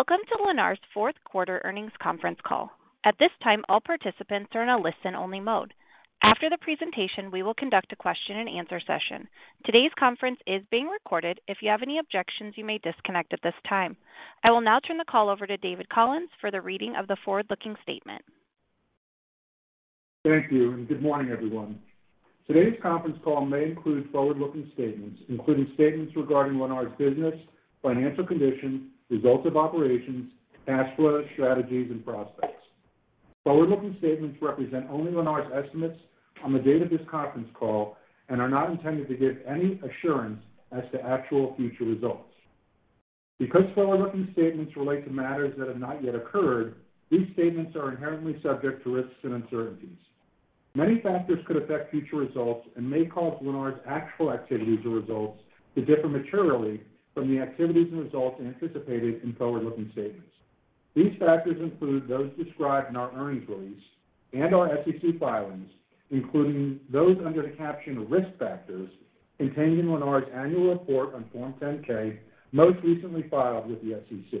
Welcome to Lennar's fourth quarter earnings conference call. At this time, all participants are in a listen-only mode. After the presentation, we will conduct a question-and-answer session. Today's conference is being recorded. If you have any objections, you may disconnect at this time. I will now turn the call over to David Collins for the reading of the forward-looking statement. Thank you, and good morning, everyone. Today's conference call may include forward-looking statements, including statements regarding Lennar's business, financial condition, results of operations, cash flow, strategies, and prospects. Forward-looking statements represent only Lennar's estimates on the date of this conference call and are not intended to give any assurance as to actual future results. Because forward-looking statements relate to matters that have not yet occurred, these statements are inherently subject to risks and uncertainties. Many factors could affect future results and may cause Lennar's actual activities or results to differ materially from the activities and results anticipated in forward-looking statements. These factors include those described in our earnings release and our SEC filings, including those under the caption Risk Factors contained in Lennar's annual report on Form 10-K, most recently filed with the SEC.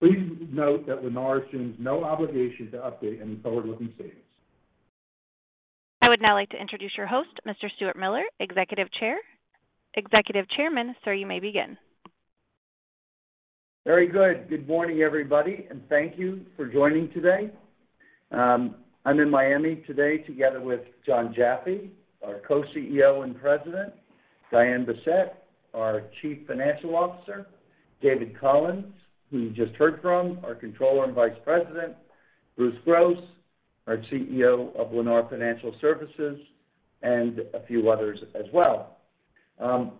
Please note that Lennar assumes no obligation to update any forward-looking statements. I would now like to introduce your host, Mr. Stuart Miller, Executive Chairman. Sir, you may begin. Very good. Good morning, everybody, and thank you for joining today. I'm in Miami today together with Jon Jaffe, our Co-CEO and President, Diane Bessette, our Chief Financial Officer, David Collins, who you just heard from, our Controller and Vice President, Bruce Gross, our CEO of Lennar Financial Services, and a few others as well.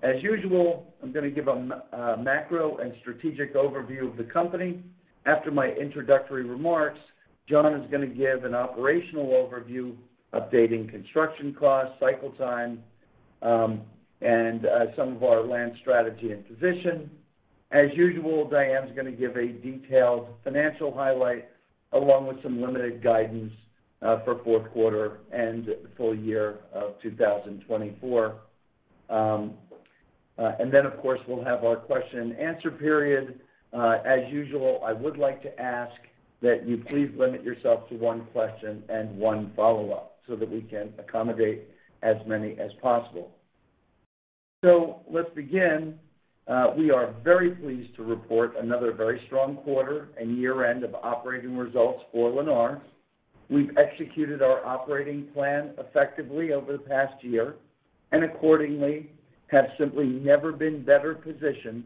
As usual, I'm gonna give a macro and strategic overview of the company. After my introductory remarks, Jon is gonna give an operational overview, updating construction costs, cycle time, and some of our land strategy and position. As usual, Diane's gonna give a detailed financial highlight, along with some limited guidance for fourth quarter and full year of 2024. And then, of course, we'll have our question and answer period. As usual, I would like to ask that you please limit yourself to one question and one follow-up so that we can accommodate as many as possible. So let's begin. We are very pleased to report another very strong quarter and year-end of operating results for Lennar. We've executed our operating plan effectively over the past year, and accordingly, have simply never been better positioned,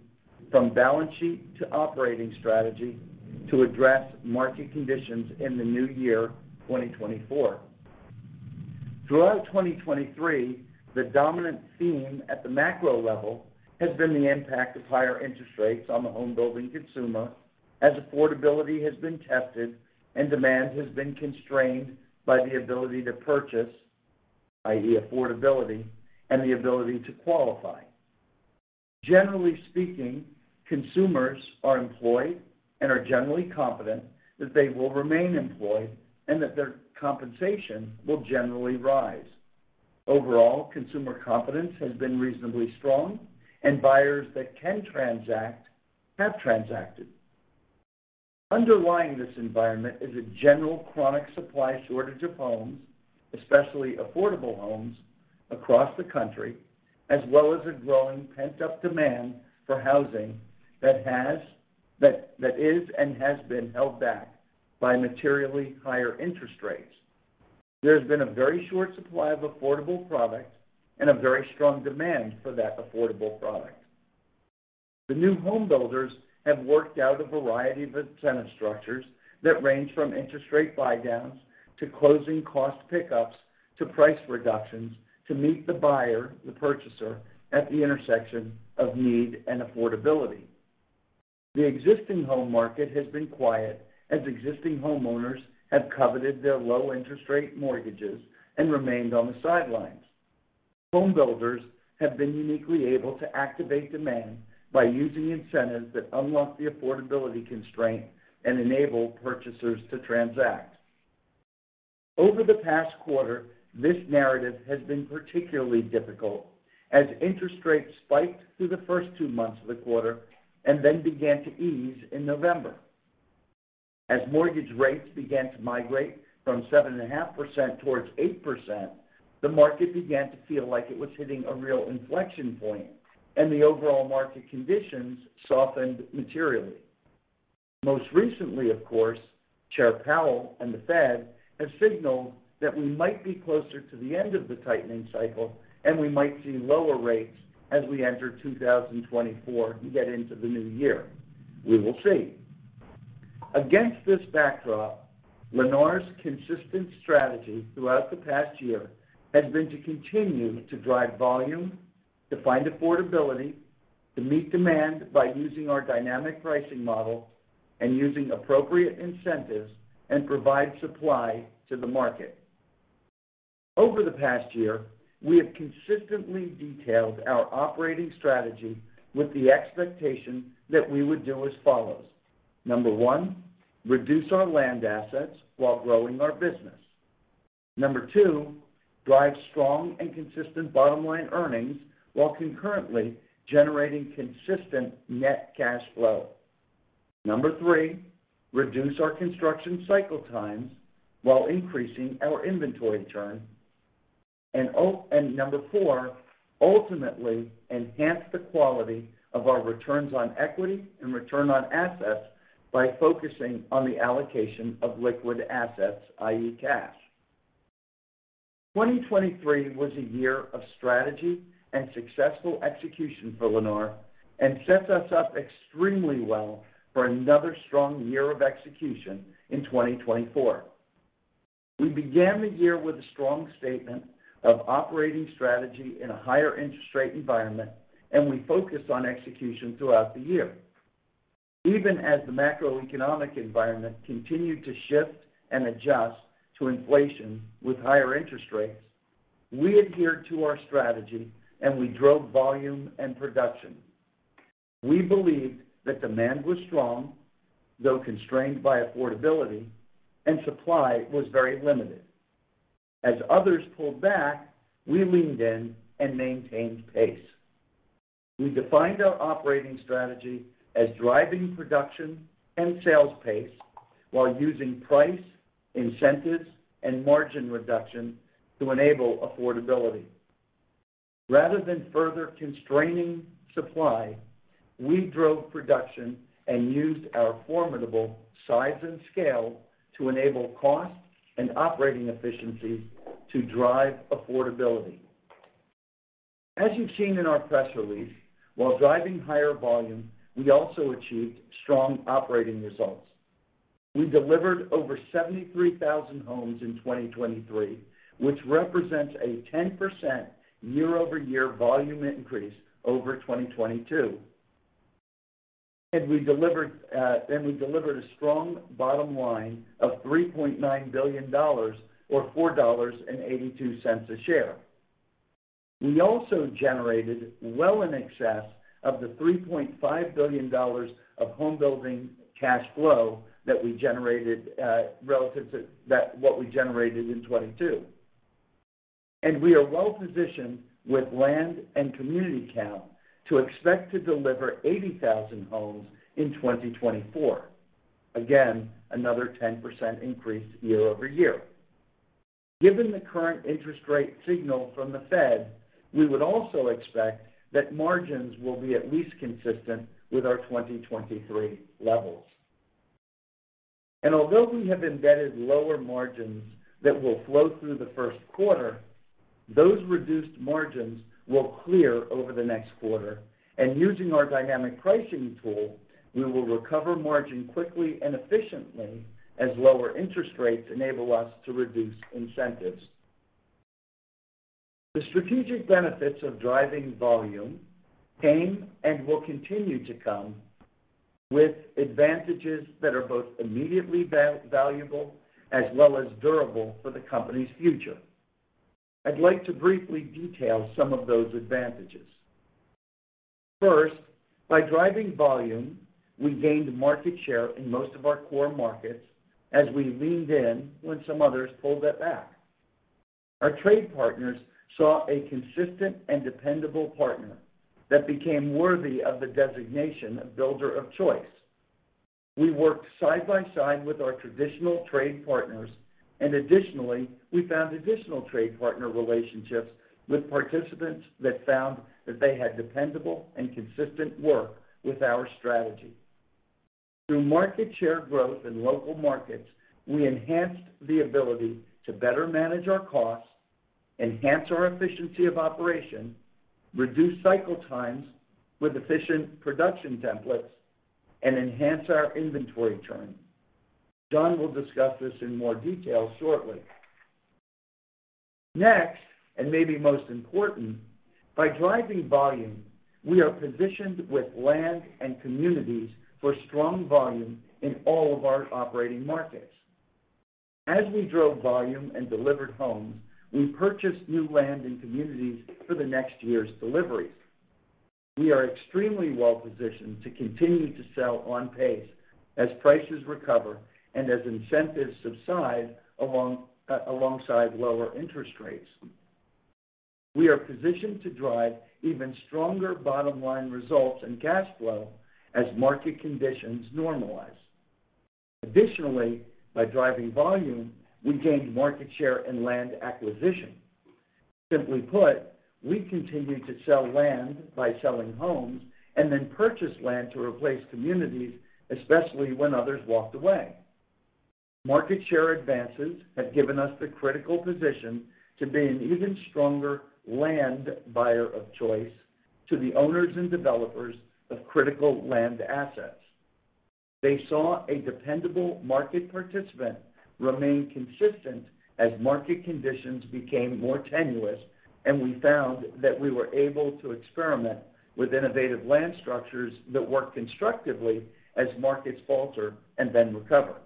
from balance sheet to operating strategy, to address market conditions in the new year, 2024. Throughout 2023, the dominant theme at the macro level has been the impact of higher interest rates on the home-building consumer, as affordability has been tested and demand has been constrained by the ability to purchase, i.e., affordability, and the ability to qualify. Generally speaking, consumers are employed and are generally confident that they will remain employed and that their compensation will generally rise. Overall, consumer confidence has been reasonably strong, and buyers that can transact have transacted. Underlying this environment is a general chronic supply shortage of homes, especially affordable homes, across the country, as well as a growing pent-up demand for housing that is and has been held back by materially higher interest rates. There's been a very short supply of affordable product and a very strong demand for that affordable product. The new home builders have worked out a variety of incentive structures that range from interest rate buydowns to closing cost pickups to price reductions to meet the buyer, the purchaser, at the intersection of need and affordability. The existing home market has been quiet as existing homeowners have coveted their low-interest rate mortgages and remained on the sidelines. Home builders have been uniquely able to activate demand by using incentives that unlock the affordability constraint and enable purchasers to transact. Over the past quarter, this narrative has been particularly difficult as interest rates spiked through the first two months of the quarter and then began to ease in November. As mortgage rates began to migrate from 7.5% towards 8%, the market began to feel like it was hitting a real inflection point, and the overall market conditions softened materially. Most recently, of course, Chair Powell and the Fed have signaled that we might be closer to the end of the tightening cycle, and we might see lower rates as we enter 2024 and get into the new year. We will see. Against this backdrop, Lennar's consistent strategy throughout the past year has been to continue to drive volume, to find affordability, to meet demand by using our dynamic pricing model, and using appropriate incentives and provide supply to the market. Over the past year, we have consistently detailed our operating strategy with the expectation that we would do as follows. One, reduce our land assets while growing our business. Two, drive strong and consistent bottom-line earnings, while concurrently generating consistent net cash flow. Three, reduce our construction cycle times while increasing our inventory turn. And four, ultimately enhance the quality of our returns on equity and return on assets by focusing on the allocation of liquid assets, i.e., cash. 2023 was a year of strategy and successful execution for Lennar, and sets us up extremely well for another strong year of execution in 2024. We began the year with a strong statement of operating strategy in a higher interest rate environment, and we focused on execution throughout the year. Even as the macroeconomic environment continued to shift and adjust to inflation with higher interest rates, we adhered to our strategy, and we drove volume and production. We believed that demand was strong, though constrained by affordability, and supply was very limited. As others pulled back, we leaned in and maintained pace. We defined our operating strategy as driving production and sales pace while using price, incentives, and margin reduction to enable affordability. Rather than further constraining supply, we drove production and used our formidable size and scale to enable cost and operating efficiencies to drive affordability. As you've seen in our press release, while driving higher volume, we also achieved strong operating results. We delivered over 73,000 homes in 2023, which represents a 10% year-over-year volume increase over 2022. We delivered a strong bottom line of $3.9 billion, or $4.82 a share. We also generated well in excess of the $3.5 billion of home building cash flow that we generated relative to what we generated in 2022. We are well-positioned with land and community count to expect to deliver 80,000 homes in 2024. Again, another 10% increase year-over-year. Given the current interest rate signal from the Fed, we would also expect that margins will be at least consistent with our 2023 levels. And although we have embedded lower margins that will flow through the first quarter, those reduced margins will clear over the next quarter, and using our dynamic pricing tool, we will recover margin quickly and efficiently as lower interest rates enable us to reduce incentives. The strategic benefits of driving volume came and will continue to come, with advantages that are both immediately valuable as well as durable for the company's future. I'd like to briefly detail some of those advantages. First, by driving volume, we gained market share in most of our core markets as we leaned in when some others pulled it back. Our trade partners saw a consistent and dependable partner that became worthy of the designation of Builder of Choice. We worked side by side with our traditional trade partners, and additionally, we found additional trade partner relationships with participants that found that they had dependable and consistent work with our strategy. Through market share growth in local markets, we enhanced the ability to better manage our costs, enhance our efficiency of operation, reduce cycle times with efficient production templates, and enhance our inventory turn. Jon will discuss this in more detail shortly. Next, and maybe most important, by driving volume, we are positioned with land and communities for strong volume in all of our operating markets. As we drove volume and delivered homes, we purchased new land and communities for the next year's deliveries. We are extremely well-positioned to continue to sell on pace as prices recover and as incentives subside alongside lower interest rates. We are positioned to drive even stronger bottom-line results and cash flow as market conditions normalize. Additionally, by driving volume, we gained market share and land acquisition. Simply put, we continued to sell land by selling homes and then purchased land to replace communities, especially when others walked away. Market share advances have given us the critical position to be an even stronger land buyer of choice to the owners and developers of critical land assets. They saw a dependable market participant remain consistent as market conditions became more tenuous, and we found that we were able to experiment with innovative land structures that work constructively as markets falter and then recover.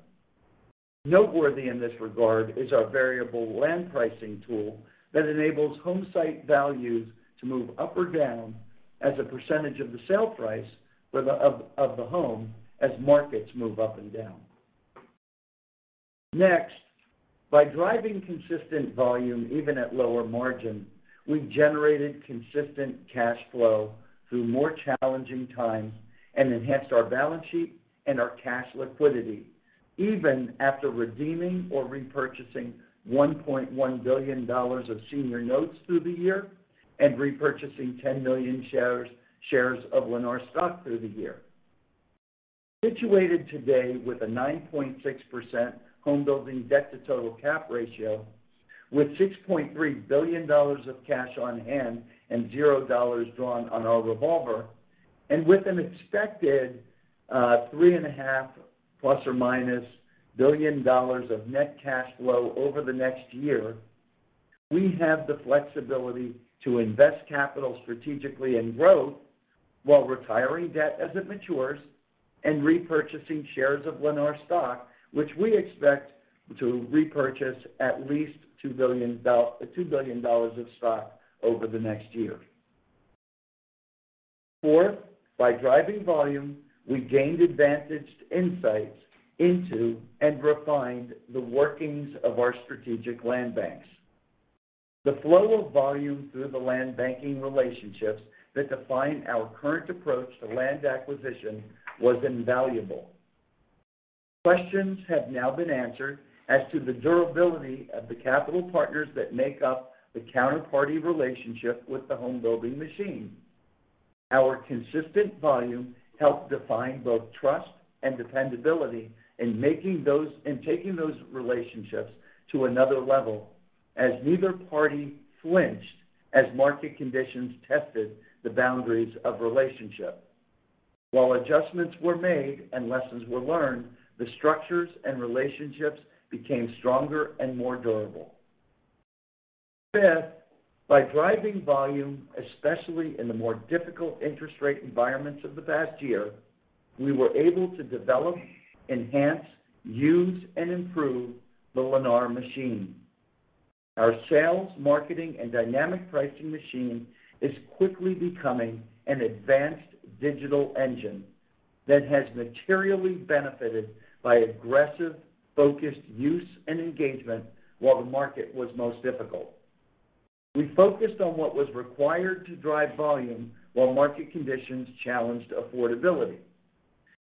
Noteworthy in this regard is our Variable Land Pricing tool that enables home site values to move up or down as a percentage of the sale price of the home as markets move up and down. Next, by driving consistent volume, even at lower margin, we've generated consistent cash flow through more challenging times and enhanced our balance sheet and our cash liquidity, even after redeeming or repurchasing $1.1 billion of senior notes through the year and repurchasing 10 million shares of Lennar stock through the year. Situated today with a 9.6% home building debt-to-total cap ratio, with $6.3 billion of cash on hand and $0 drawn on our revolver, and with an expected three and a half ± billion dollars of net cash flow over the next year, we have the flexibility to invest capital strategically in growth while retiring debt as it matures and repurchasing shares of Lennar stock, which we expect to repurchase at least $2 billion of stock over the next year. Four, by driving volume, we gained advantaged insights into and refined the workings of our strategic land banks. The flow of volume through the land banking relationships that define our current approach to land acquisition was invaluable. Questions have now been answered as to the durability of the capital partners that make up the counterparty relationship with the home building machine. Our consistent volume helped define both trust and dependability in taking those relationships to another level, as neither party flinched as market conditions tested the boundaries of relationship. While adjustments were made and lessons were learned, the structures and relationships became stronger and more durable. Fifth, by driving volume, especially in the more difficult interest rate environments of the past year, we were able to develop, enhance, use, and improve the Lennar Machine. Our sales, marketing, and dynamic pricing machine is quickly becoming an advanced digital engine that has materially benefited by aggressive, focused use and engagement while the market was most difficult. We focused on what was required to drive volume while market conditions challenged affordability.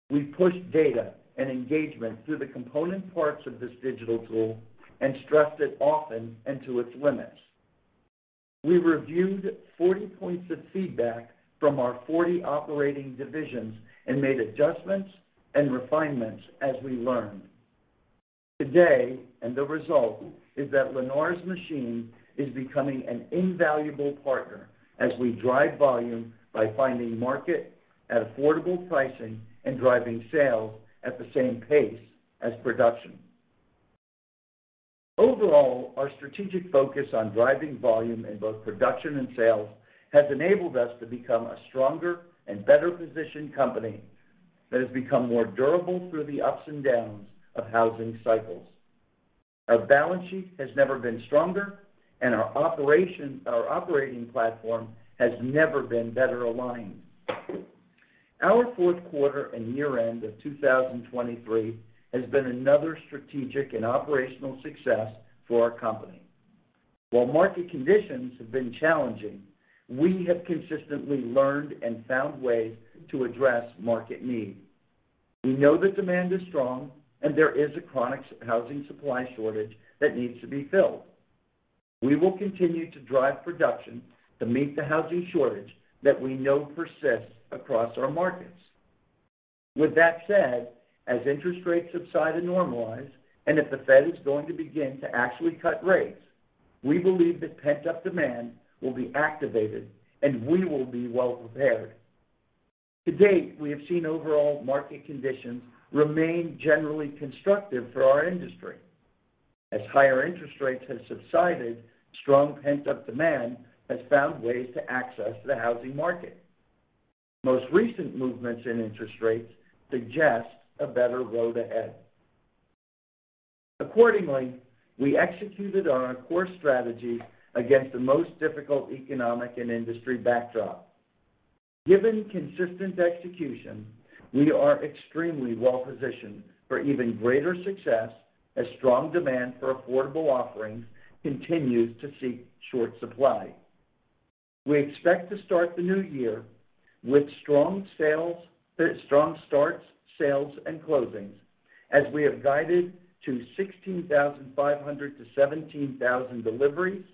We pushed data and engagement through the component parts of this digital tool and stressed it often and to its limits. We reviewed 40 points of feedback from our 40 operating divisions and made adjustments and refinements as we learned. Today, and the result, is that Lennar's machine is becoming an invaluable partner as we drive volume by finding market at affordable pricing and driving sales at the same pace as production. Overall, our strategic focus on driving volume in both production and sales has enabled us to become a stronger and better-positioned company that has become more durable through the ups and downs of housing cycles. Our balance sheet has never been stronger, and our operating platform has never been better aligned. Our fourth quarter and year-end of 2023 has been another strategic and operational success for our company. While market conditions have been challenging, we have consistently learned and found ways to address market need. We know that demand is strong and there is a chronic housing supply shortage that needs to be filled. We will continue to drive production to meet the housing shortage that we know persists across our markets. With that said, as interest rates subside and normalize, and if the Fed is going to begin to actually cut rates, we believe that pent-up demand will be activated, and we will be well-prepared. To date, we have seen overall market conditions remain generally constructive for our industry. As higher interest rates have subsided, strong pent-up demand has found ways to access the housing market. Most recent movements in interest rates suggest a better road ahead. Accordingly, we executed on our core strategy against the most difficult economic and industry backdrop. Given consistent execution, we are extremely well-positioned for even greater success as strong demand for affordable offerings continues to seek short supply. We expect to start the new year with strong sales, strong starts, sales, and closings, as we have guided to 16,500-17,000 deliveries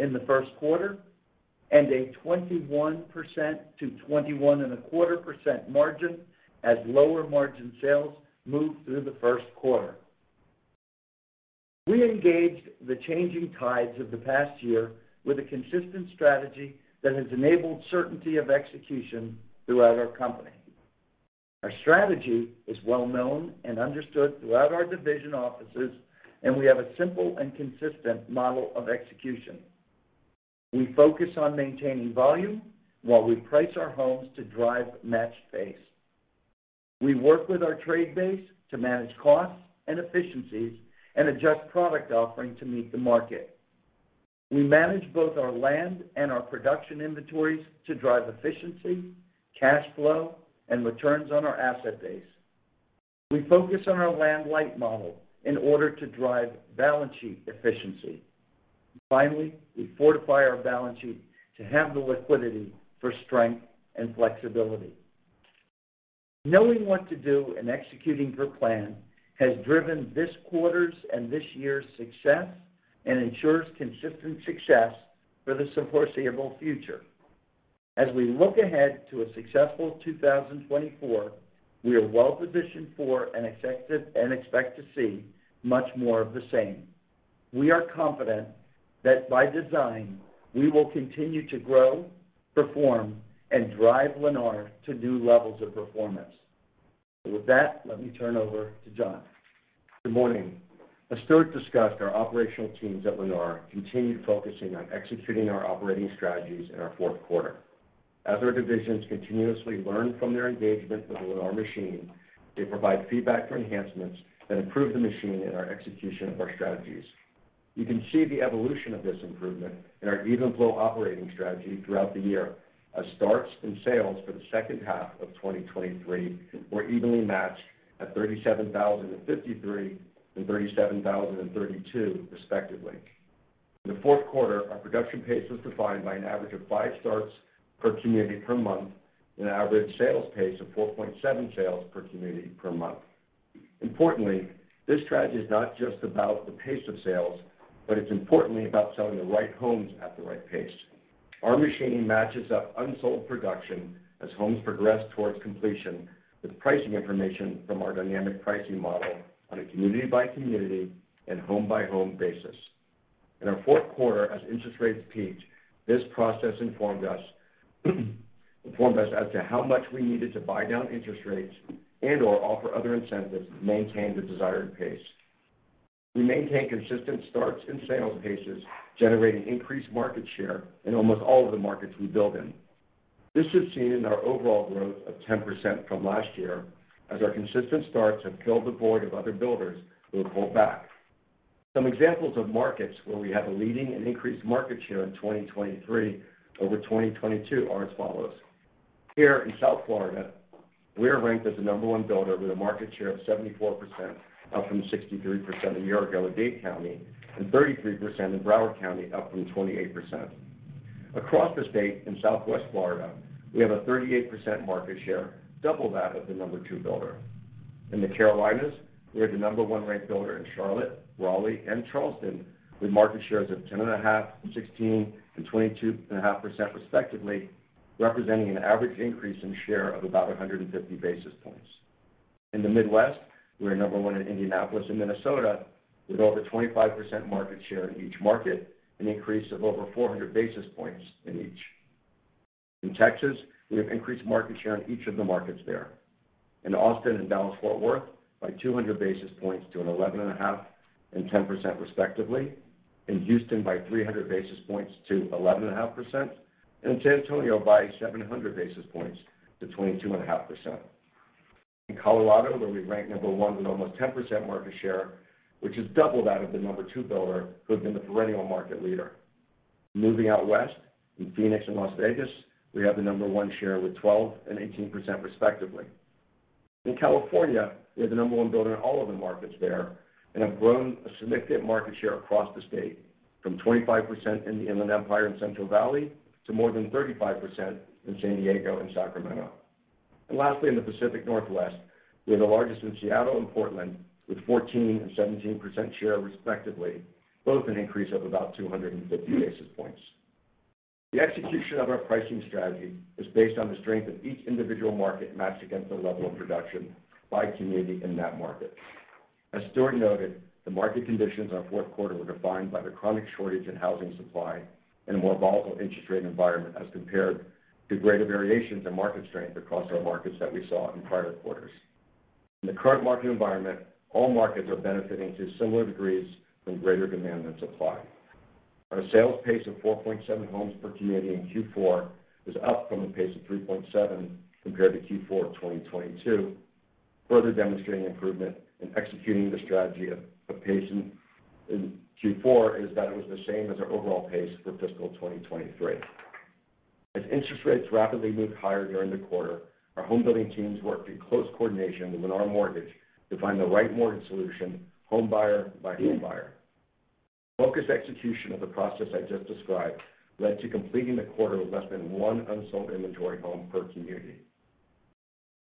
in the first quarter, and a 21%-21.25% margin, as lower-margin sales move through the first quarter. We engaged the changing tides of the past year with a consistent strategy that has enabled certainty of execution throughout our company. Our strategy is well-known and understood throughout our division offices, and we have a simple and consistent model of execution. We focus on maintaining volume while we price our homes to drive match pace. We work with our trade base to manage costs and efficiencies and adjust product offering to meet the market. We manage both our land and our production inventories to drive efficiency, cash flow, and returns on our asset base. We focus on our land-light model in order to drive balance sheet efficiency. Finally, we fortify our balance sheet to have the liquidity for strength and flexibility. Knowing what to do and executing per plan has driven this quarter's and this year's success, and ensures consistent success for the foreseeable future. As we look ahead to a successful 2024, we are well positioned for and expect to see much more of the same. We are confident that by design, we will continue to grow, perform, and drive Lennar to new levels of performance. With that, let me turn over to Jon. Good morning. As Stuart discussed, our operational teams at Lennar continued focusing on executing our operating strategies in our fourth quarter. As our divisions continuously learn from their engagement with the Lennar Machine, they provide feedback for enhancements that improve the machine and our execution of our strategies. You can see the evolution of this improvement in our Even Flow operating strategy throughout the year, as starts and sales for the second half of 2023 were evenly matched at 37,053 and 37,032, respectively. In the fourth quarter, our production pace was defined by an average of five starts per community per month and an average sales pace of 4.7 sales per community per month. Importantly, this strategy is not just about the pace of sales, but it's importantly about selling the right homes at the right pace. Our machine matches up unsold production as homes progress towards completion, with pricing information from our Dynamic Pricing Model on a community-by-community and home-by-home basis. In our fourth quarter, as interest rates peaked, this process informed us as to how much we needed to buy down interest rates and/or offer other incentives to maintain the desired pace. We maintained consistent starts and sales paces, generating increased market share in almost all of the markets we build in. This is seen in our overall growth of 10% from last year, as our consistent starts have filled the void of other builders who have pulled back. Some examples of markets where we have a leading and increased market share in 2023 over 2022 are as follows: Here in South Florida, we are ranked as the number one builder with a market share of 74%, up from 63% a year ago in Dade County, and 33% in Broward County, up from 28%. Across the state in Southwest Florida, we have a 38% market share, double that of the number two builder. In the Carolinas, we are the number one ranked builder in Charlotte, Raleigh, and Charleston, with market shares of 10.5, 16, and 22.5 percent, respectively, representing an average increase in share of about 150 basis points. In the Midwest, we are number one in Indianapolis and Minnesota, with over 25% market share in each market, an increase of over 400 basis points in each. In Texas, we have increased market share in each of the markets there. In Austin and Dallas-Fort Worth, by 200 basis points to 11.5% and 10%, respectively, in Houston by 300 basis points to 11.5%, and in San Antonio by 700 basis points to 22.5%. In Colorado, where we rank number one with almost 10% market share, which is double that of the number two builder, who has been the perennial market leader. Moving out west, in Phoenix and Las Vegas, we have the number one share with 12% and 18%, respectively. In California, we are the number one builder in all of the markets there and have grown a significant market share across the state, from 25% in the Inland Empire and Central Valley to more than 35% in San Diego and Sacramento. Lastly, in the Pacific Northwest, we are the largest in Seattle and Portland, with 14% and 17% share, respectively, both an increase of about 250 basis points. The execution of our pricing strategy is based on the strength of each individual market matched against the level of production by community in that market. As Stuart noted, the market conditions in our fourth quarter were defined by the chronic shortage in housing supply and a more volatile interest rate environment, as compared to greater variations in market strength across our markets that we saw in prior quarters. In the current market environment, all markets are benefiting to similar degrees from greater demand than supply. Our sales pace of 4.7 homes per community in Q4 was up from a pace of 3.7 compared to Q4 of 2022, further demonstrating improvement in executing the strategy of patience in Q4, that it was the same as our overall pace for fiscal 2023. As interest rates rapidly moved higher during the quarter, our home building teams worked in close coordination with Lennar Mortgage to find the right mortgage solution, home buyer by home buyer. Focused execution of the process I just described led to completing the quarter with less than 1 unsold inventory home per community.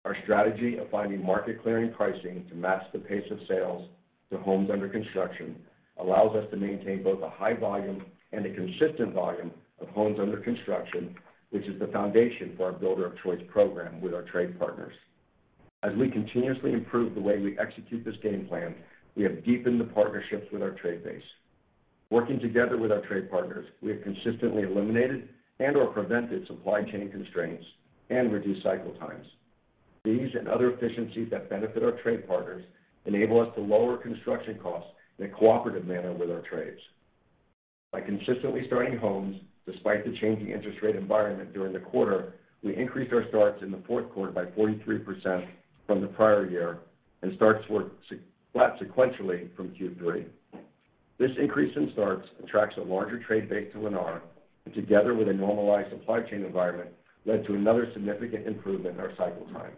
Our strategy of finding market clearing pricing to match the pace of sales to homes under construction allows us to maintain both a high volume and a consistent volume of homes under construction, which is the foundation for our Builder of Choice program with our trade partners. As we continuously improve the way we execute this game plan, we have deepened the partnerships with our trade base. Working together with our trade partners, we have consistently eliminated and/or prevented supply chain constraints and reduced cycle times. These and other efficiencies that benefit our trade partners enable us to lower construction costs in a cooperative manner with our trades. By consistently starting homes, despite the changing interest rate environment during the quarter, we increased our starts in the fourth quarter by 43% from the prior year, and starts were flat sequentially from Q3. This increase in starts attracts a larger trade base to Lennar, and together with a normalized supply chain environment, led to another significant improvement in our cycle time.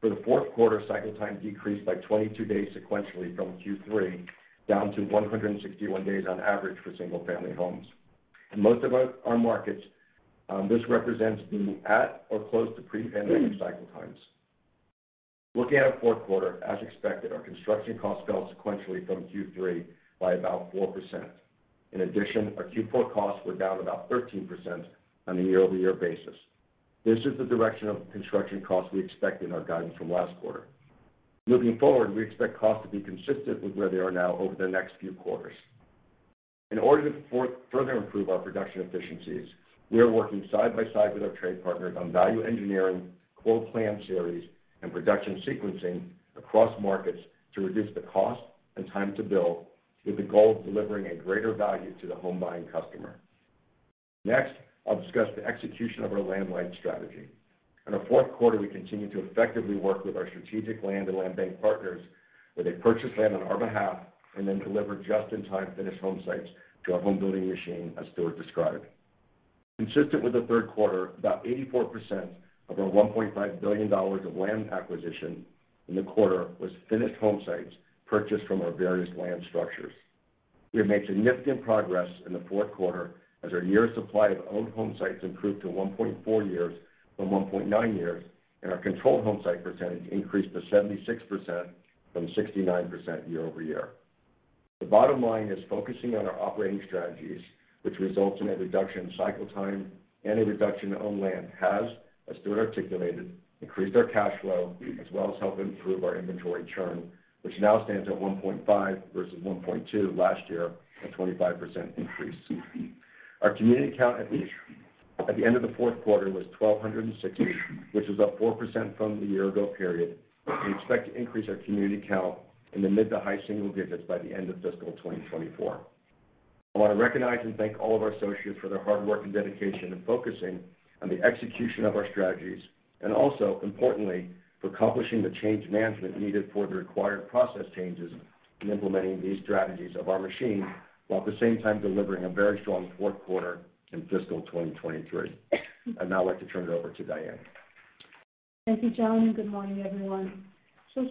For the fourth quarter, cycle time decreased by 22 days sequentially from Q3, down to 161 days on average for single-family homes. In most of our markets, this represents at or close to pre-pandemic cycle times. Looking at our fourth quarter, as expected, our construction costs fell sequentially from Q3 by about 4%. In addition, our Q4 costs were down about 13% on a year-over-year basis. This is the direction of construction costs we expect in our guidance from last quarter. Moving forward, we expect costs to be consistent with where they are now over the next few quarters. In order to further improve our production efficiencies, we are working side by side with our trade partners on value engineering, core plan series, and production sequencing across markets to reduce the cost and time to build, with the goal of delivering a greater value to the home buying customer. Next, I'll discuss the execution of our land-light strategy. In the fourth quarter, we continued to effectively work with our strategic land and land bank partners, where they purchase land on our behalf and then deliver just-in-time finished homesites to our home building machine, as Stuart described. Consistent with the third quarter, about 84% of our $1.5 billion of land acquisition in the quarter was finished homesites purchased from our various land structures. We have made significant progress in the fourth quarter, as our year supply of owned home sites improved to 1.4 years from 1.9 years, and our controlled home site percentage increased to 76% from 69% year-over-year. The bottom line is focusing on our operating strategies, which results in a reduction in cycle time and a reduction in owned land, has, as Stuart articulated, increased our cash flow, as well as helped improve our inventory turn, which now stands at 1.5 versus 1.2 last year, a 25% increase. Our community count at the end of the fourth quarter was 1,260, which is up 4% from the year-ago period. We expect to increase our community count in the mid- to high-single digits by the end of fiscal 2024. I want to recognize and thank all of our associates for their hard work and dedication in focusing on the execution of our strategies, and also, importantly, for accomplishing the change management needed for the required process changes in implementing these strategies of our machine, while at the same time delivering a very strong fourth quarter in fiscal 2023. I'd now like to turn it over to Diane. Thank you, Jon, and good morning, everyone.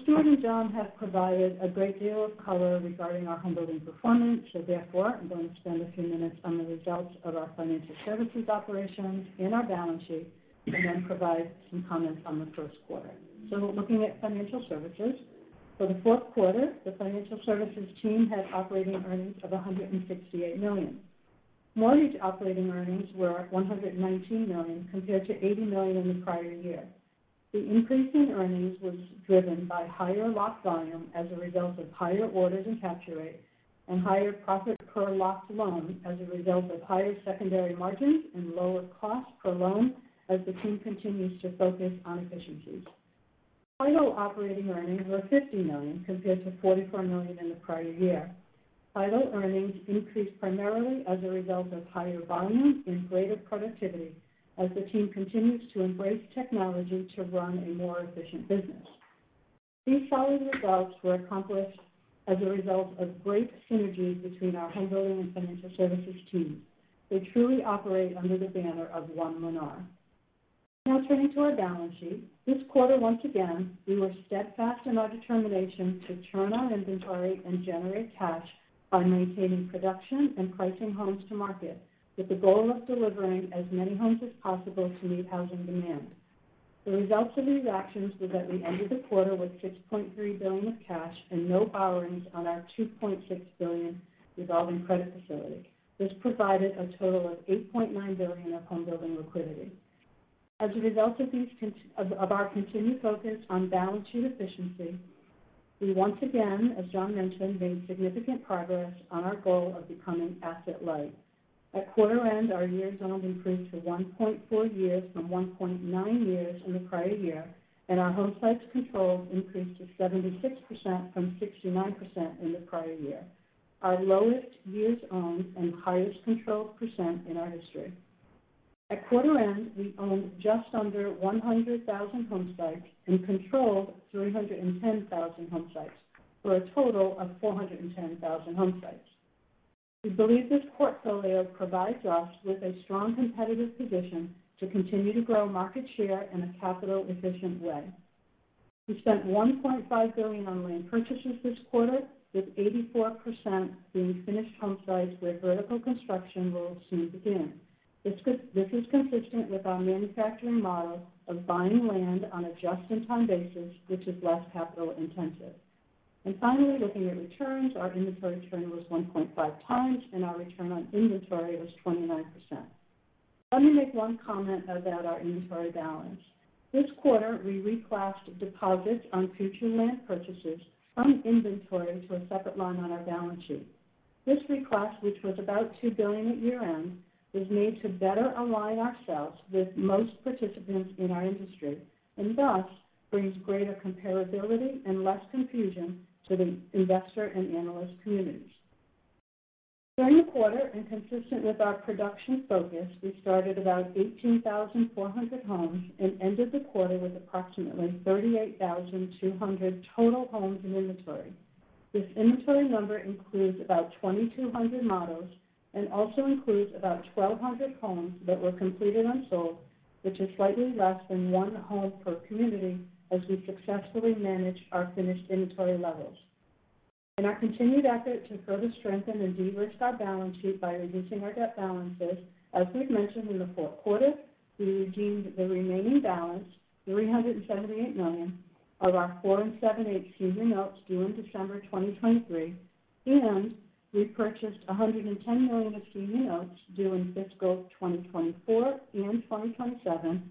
Stuart and Jon have provided a great deal of color regarding our home building performance, so therefore, I'm going to spend a few minutes on the results of our financial services operations and our balance sheet, and then provide some comments on the first quarter. Looking at financial services. For the fourth quarter, the financial services team had operating earnings of $168 million. Mortgage operating earnings were at $119 million, compared to $80 million in the prior year. The increase in earnings was driven by higher locked volume as a result of higher orders and capture rates, and higher profit per locked loan as a result of higher secondary margins and lower costs per loan as the team continues to focus on efficiencies. Title operating earnings were $50 million, compared to $44 million in the prior year. Title earnings increased primarily as a result of higher volume and greater productivity as the team continues to embrace technology to run a more efficient business. These solid results were accomplished as a result of great synergies between our home building and financial services teams. They truly operate under the banner of One Lennar. Now turning to our balance sheet. This quarter, once again, we were steadfast in our determination to turn our inventory and generate cash by maintaining production and pricing homes to market, with the goal of delivering as many homes as possible to meet housing demand. The results of these actions was that we ended the quarter with $6.3 billion of cash and no borrowings on our $2.6 billion revolving credit facility. This provided a total of $8.9 billion of homebuilding liquidity. As a result of these, our continued focus on balance sheet efficiency, we once again, as Jon mentioned, made significant progress on our goal of becoming asset-light. At quarter end, our years owned improved to 1.4 years from 1.9 years in the prior year, and our home sites controlled increased to 76% from 69% in the prior year, our lowest years owned and highest controlled % in our history. At quarter end, we owned just under 100,000 home sites and controlled 310,000 home sites, for a total of 410,000 home sites. We believe this portfolio provides us with a strong competitive position to continue to grow market share in a capital-efficient way. We spent $1.5 billion on land purchases this quarter, with 84% being finished homesites where vertical construction will soon begin. This is consistent with our manufacturing model of buying land on a just-in-time basis, which is less capital intensive. And finally, looking at returns, our inventory turn was 1.5 times, and our return on inventory was 29%. Let me make one comment about our inventory balance. This quarter, we reclassed deposits on future land purchases from inventory to a separate line on our balance sheet. This reclass, which was about $2 billion at year-end, is made to better align ourselves with most participants in our industry, and thus brings greater comparability and less confusion to the investor and analyst communities. During the quarter and consistent with our production focus, we started about 18,400 homes and ended the quarter with approximately 38,200 total homes in inventory. This inventory number includes about 2,200 models and also includes about 1,200 homes that were completed unsold, which is slightly less than one home per community, as we successfully managed our finished inventory levels. In our continued effort to further strengthen and de-risk our balance sheet by reducing our debt balances, as we've mentioned in the fourth quarter, we redeemed the remaining balance, $378 million, of our 4.875% Senior Notes due in December 2023, and repurchased $110 million of Senior Notes due in fiscal 2024 and 2027,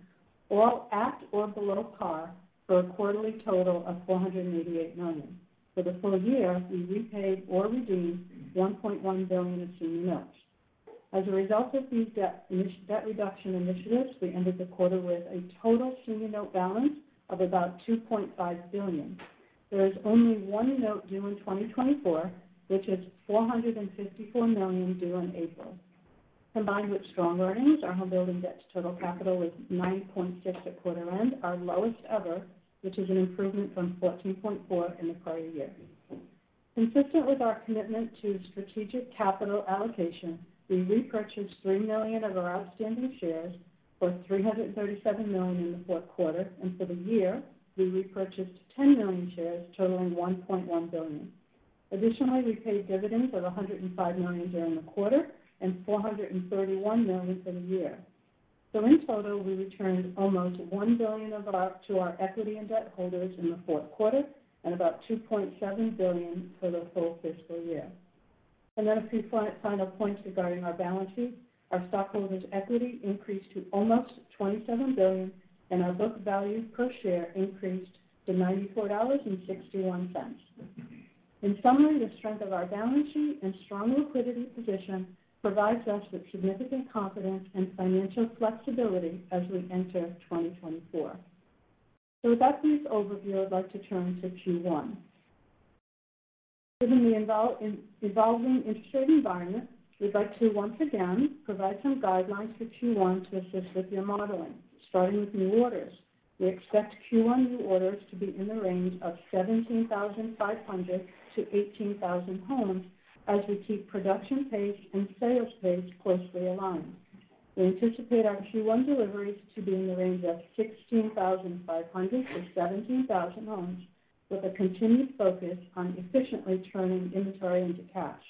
all at or below par, for a quarterly total of $488 million. For the full year, we repaid or redeemed $1.1 billion in senior notes. As a result of these debt reduction initiatives, we ended the quarter with a total senior note balance of about $2.5 billion. There is only one note due in 2024, which is $454 million due in April. Combined with strong earnings, our homebuilding debt to total capital was 9.6% at quarter end, our lowest ever, which is an improvement from 14.4% in the prior year. Consistent with our commitment to strategic capital allocation, we repurchased 3 million of our outstanding shares for $337 million in the fourth quarter, and for the year, we repurchased 10 million shares, totaling $1.1 billion. Additionally, we paid dividends of $105 million during the quarter and $431 million for the year. So in total, we returned almost $1 billion of our to our equity and debt holders in the fourth quarter and about $2.7 billion for the full fiscal year. And then a few final points regarding our balance sheet. Our stockholders' equity increased to almost $27 billion, and our book value per share increased to $94.61. In summary, the strength of our balance sheet and strong liquidity position provides us with significant confidence and financial flexibility as we enter 2024. So with that brief overview, I'd like to turn to Q1. Given the evolving interest rate environment, we'd like to once again provide some guidelines for Q1 to assist with your modeling, starting with new orders. We expect Q1 new orders to be in the range of 17,500-18,000 homes as we keep production pace and sales pace closely aligned. We anticipate our Q1 deliveries to be in the range of 16,500-17,000 homes, with a continued focus on efficiently turning inventory into cash.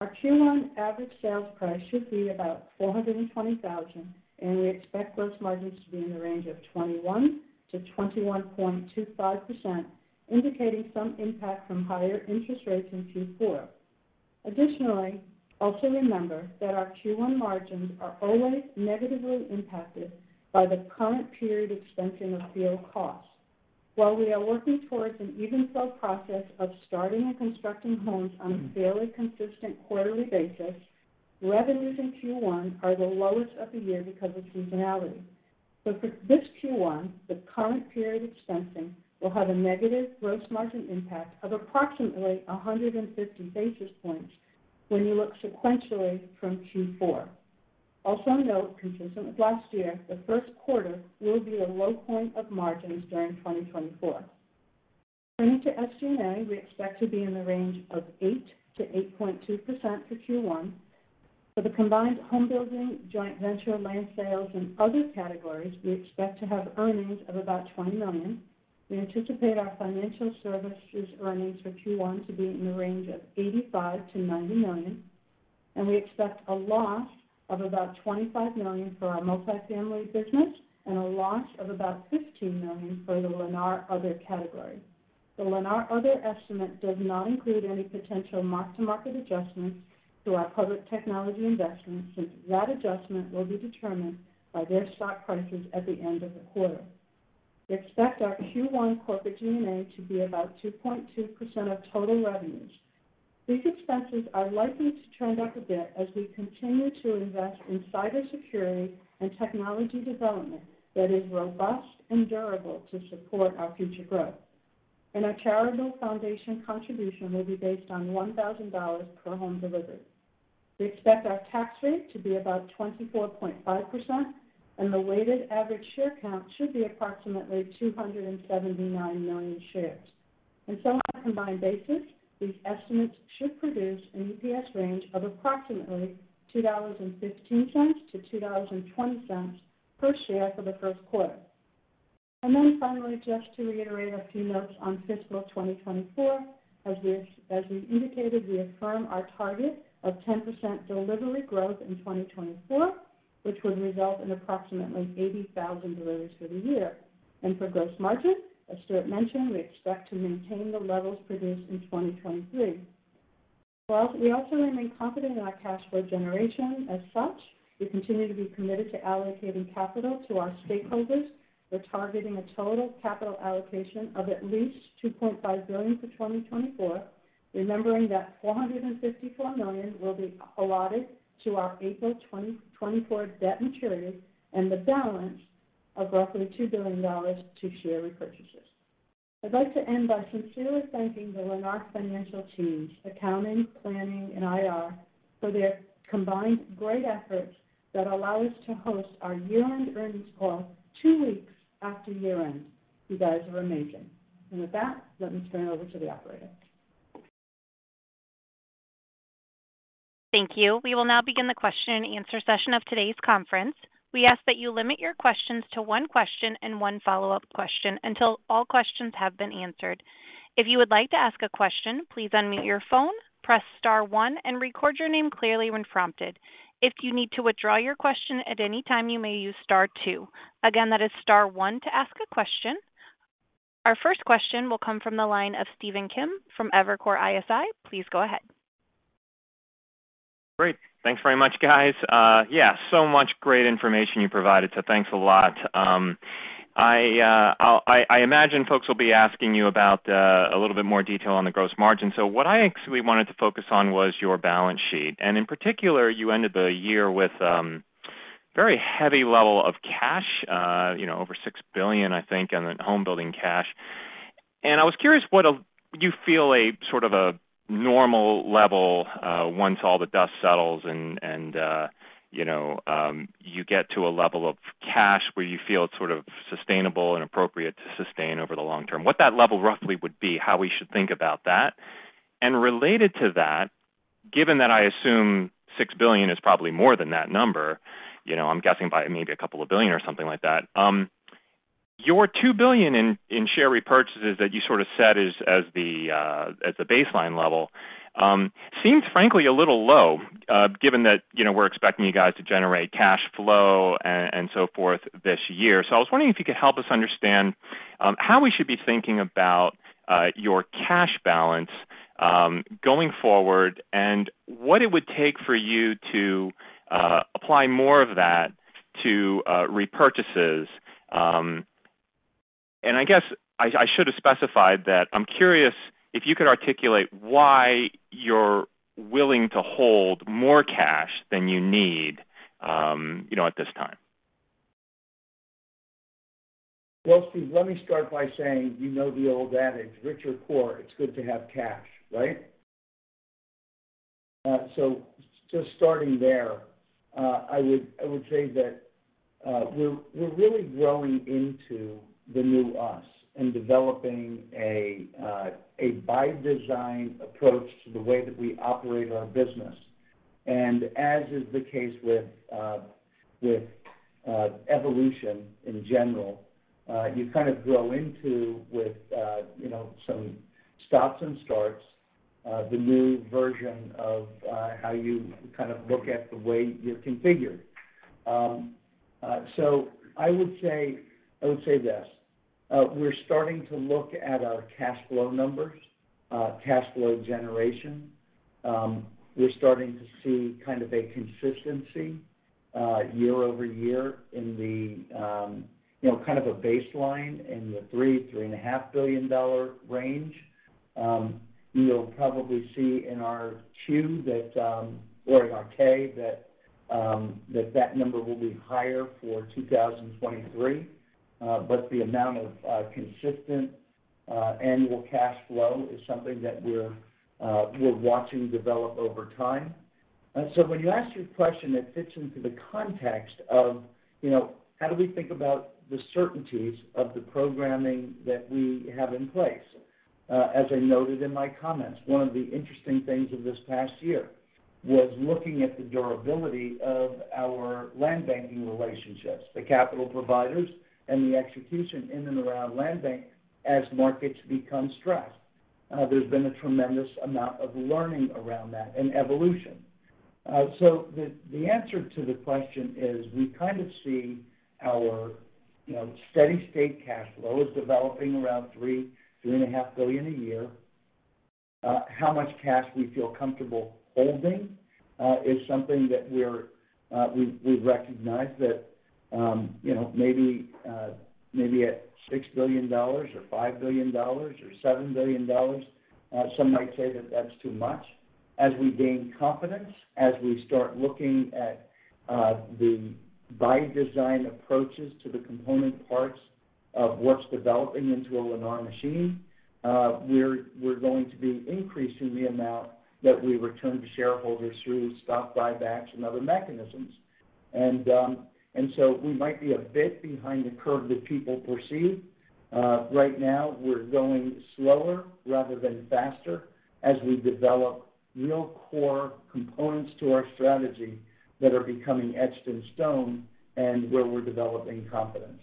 Our Q1 average sales price should be about $420,000, and we expect gross margins to be in the range of 21%-21.25%, indicating some impact from higher interest rates in Q4. Additionally, also remember that our Q1 margins are always negatively impacted by the current period expensing of field costs. While we are working towards an Even Flow process of starting and constructing homes on a fairly consistent quarterly basis, revenues in Q1 are the lowest of the year because of seasonality. So for this Q1, the current period expensing will have a negative gross margin impact of approximately 150 basis points when you look sequentially from Q4. Also note, consistent with last year, the first quarter will be the low point of margins during 2024. Turning to SG&A, we expect to be in the range of 8%-8.2% for Q1. For the combined homebuilding, joint venture, land sales, and other categories, we expect to have earnings of about $20 million. We anticipate our financial services earnings for Q1 to be in the range of $85 million-$90 million, and we expect a loss of about $25 million for our multifamily business and a loss of about $15 million for the Lennar Other category. The Lennar Other estimate does not include any potential mark-to-market adjustments to our public technology investments, since that adjustment will be determined by their stock prices at the end of the quarter. We expect our Q1 corporate G&A to be about 2.2% of total revenues. These expenses are likely to trend up a bit as we continue to invest in cybersecurity and technology development that is robust and durable to support our future growth. Our charitable foundation contribution will be based on $1,000 per home delivered. We expect our tax rate to be about 24.5%, and the weighted average share count should be approximately 279 million shares. On some combined basis, these estimates should produce an EPS range of approximately $2.15-$2.20 per share for the first quarter. And then finally, just to reiterate a few notes on fiscal 2024. As we, as we indicated, we affirm our target of 10% delivery growth in 2024, which would result in approximately 80,000 deliveries for the year. And for gross margin, as Stuart mentioned, we expect to maintain the levels produced in 2023. Well, we also remain confident in our cash flow generation. As such, we continue to be committed to allocating capital to our stakeholders. We're targeting a total capital allocation of at least $2.5 billion for 2024, remembering that $454 million will be allotted to our April 2024 debt maturity and the balance of roughly $2 billion to share repurchases.... I'd like to end by sincerely thanking the Lennar financial team, accounting, planning, and IR, for their combined great efforts that allow us to host our year-end earnings call two weeks after year-end. You guys are amazing. With that, let me turn it over to the operator. Thank you. We will now begin the question and answer session of today's conference. We ask that you limit your questions to one question and one follow-up question until all questions have been answered. If you would like to ask a question, please unmute your phone, press star one, and record your name clearly when prompted. If you need to withdraw your question at any time, you may use star two. Again, that is star one to ask a question. Our first question will come from the line of Stephen Kim from Evercore ISI. Please go ahead. Great. Thanks very much, guys. Yeah, so much great information you provided, so thanks a lot. I imagine folks will be asking you about a little bit more detail on the gross margin. So what I actually wanted to focus on was your balance sheet. And in particular, you ended the year with very heavy level of cash, you know, over $6 billion, I think, in the homebuilding cash. And I was curious, what do you feel a sort of a normal level, once all the dust settles and you get to a level of cash where you feel it's sort of sustainable and appropriate to sustain over the long term, what that level roughly would be, how we should think about that? Related to that, given that I assume $6 billion is probably more than that number, you know, I'm guessing by maybe a couple of billion or something like that. Your $2 billion in share repurchases that you sort of set as the baseline level seems frankly a little low, given that, you know, we're expecting you guys to generate cash flow and so forth this year. So I was wondering if you could help us understand how we should be thinking about your cash balance going forward and what it would take for you to apply more of that to repurchases. And I guess I should have specified that I'm curious if you could articulate why you're willing to hold more cash than you need, you know, at this time. Well, Steve, let me start by saying, you know the old adage, rich or poor, it's good to have cash, right? So just starting there, I would say that we're really growing into the new us and developing a by design approach to the way that we operate our business. And as is the case with evolution in general, you kind of grow into with you know some stops and starts the new version of how you kind of look at the way you're configured. So I would say this, we're starting to look at our cash flow numbers, cash flow generation. We're starting to see kind of a consistency year-over-year in the, you know, kind of a baseline in the $3-$3.5 billion range. You'll probably see in our 10-Q or in our 10-K that that number will be higher for 2023. But the amount of consistent annual cash flow is something that we're watching develop over time. So when you ask your question, it fits into the context of, you know, how do we think about the certainties of the programming that we have in place? As I noted in my comments, one of the interesting things of this past year was looking at the durability of our land banking relationships, the capital providers, and the execution in and around land banking as markets become stressed. There's been a tremendous amount of learning around that and evolution. So the answer to the question is, we kind of see our, you know, steady state cash flow is developing around $3-$3.5 billion a year. How much cash we feel comfortable holding is something that we're, we've recognized that, you know, maybe at $6 billion or $5 billion or $7 billion, some might say that that's too much. As we gain confidence, as we start looking at the by design approaches to the component parts of what's developing into a Lennar Machine, we're going to be increasing the amount that we return to shareholders through stock buybacks and other mechanisms. And so we might be a bit behind the curve that people perceive. Right now, we're going slower rather than faster as we develop real core components to our strategy that are becoming etched in stone and where we're developing confidence.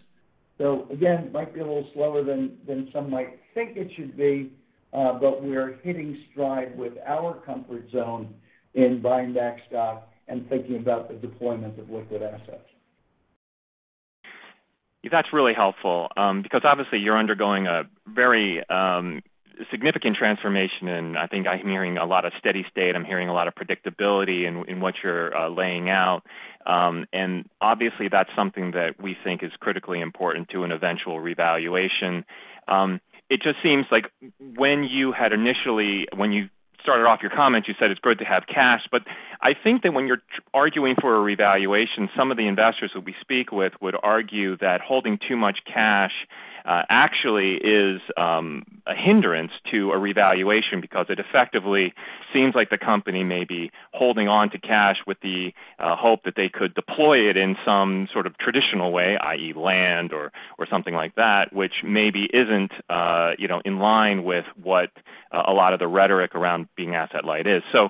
So again, it might be a little slower than some might think it should be, but we are hitting stride with our comfort zone in buying back stock and thinking about the deployment of liquid assets. That's really helpful, because obviously you're undergoing a very significant transformation, and I think I'm hearing a lot of steady state. I'm hearing a lot of predictability in what you're laying out. And obviously, that's something that we think is critically important to an eventual revaluation. It just seems like when you started off your comments, you said it's great to have cash, but-... I think that when you're arguing for a revaluation, some of the investors who we speak with would argue that holding too much cash actually is a hindrance to a revaluation, because it effectively seems like the company may be holding on to cash with the hope that they could deploy it in some sort of traditional way, i.e., land or something like that, which maybe isn't, you know, in line with what a lot of the rhetoric around being asset-light is. So,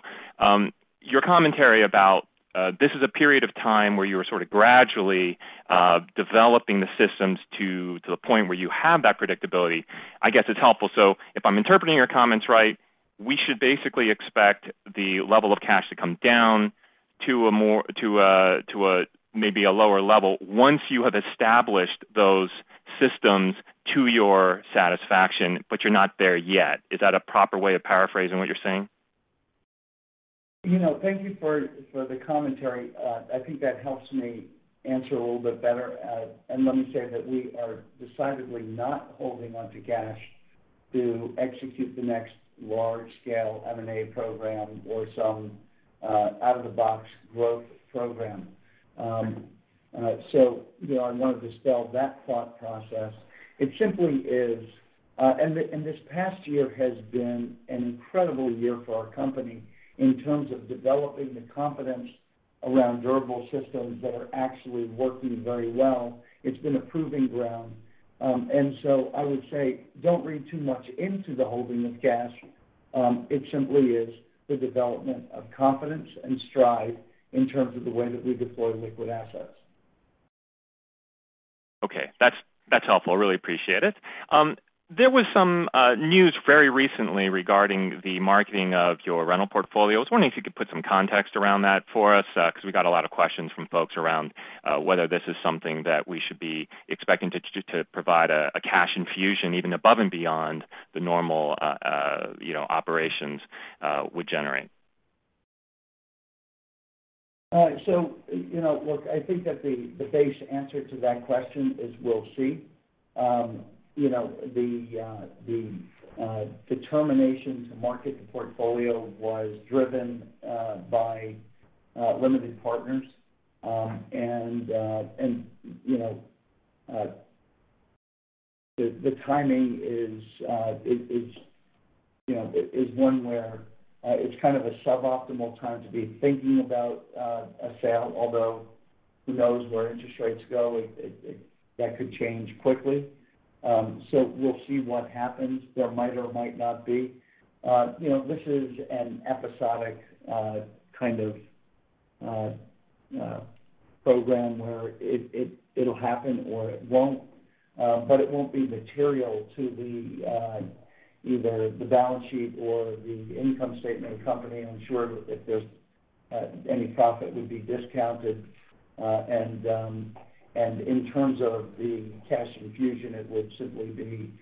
your commentary about this is a period of time where you are sort of gradually developing the systems to the point where you have that predictability, I guess, it's helpful. So if I'm interpreting your comments right, we should basically expect the level of cash to come down to a more, to a maybe a lower level once you have established those systems to your satisfaction, but you're not there yet. Is that a proper way of paraphrasing what you're saying? You know, thank you for the commentary. I think that helps me answer a little bit better. And let me say that we are decidedly not holding on to cash to execute the next large-scale M&A program or some out-of-the-box growth program. So, you know, I wanted to spell that thought process. It simply is... And this past year has been an incredible year for our company in terms of developing the confidence around durable systems that are actually working very well. It's been a proving ground. And so I would say, don't read too much into the holding of cash. It simply is the development of confidence and stride in terms of the way that we deploy liquid assets. Okay. That's helpful. Really appreciate it. There was some news very recently regarding the marketing of your rental portfolio. I was wondering if you could put some context around that for us, because we got a lot of questions from folks around whether this is something that we should be expecting to provide a cash infusion even above and beyond the normal, you know, operations would generate. So, you know, look, I think that the base answer to that question is we'll see. You know, the determination to market the portfolio was driven by limited partners. And, you know, the timing is, you know, is one where it's kind of a suboptimal time to be thinking about a sale, although who knows where interest rates go, it, that could change quickly. So we'll see what happens. There might or might not be. You know, this is an episodic kind of program where it, it'll happen or it won't, but it won't be material to the either the balance sheet or the income statement of the company. I'm sure that if there's any profit, would be discounted. In terms of the cash infusion, it would simply be,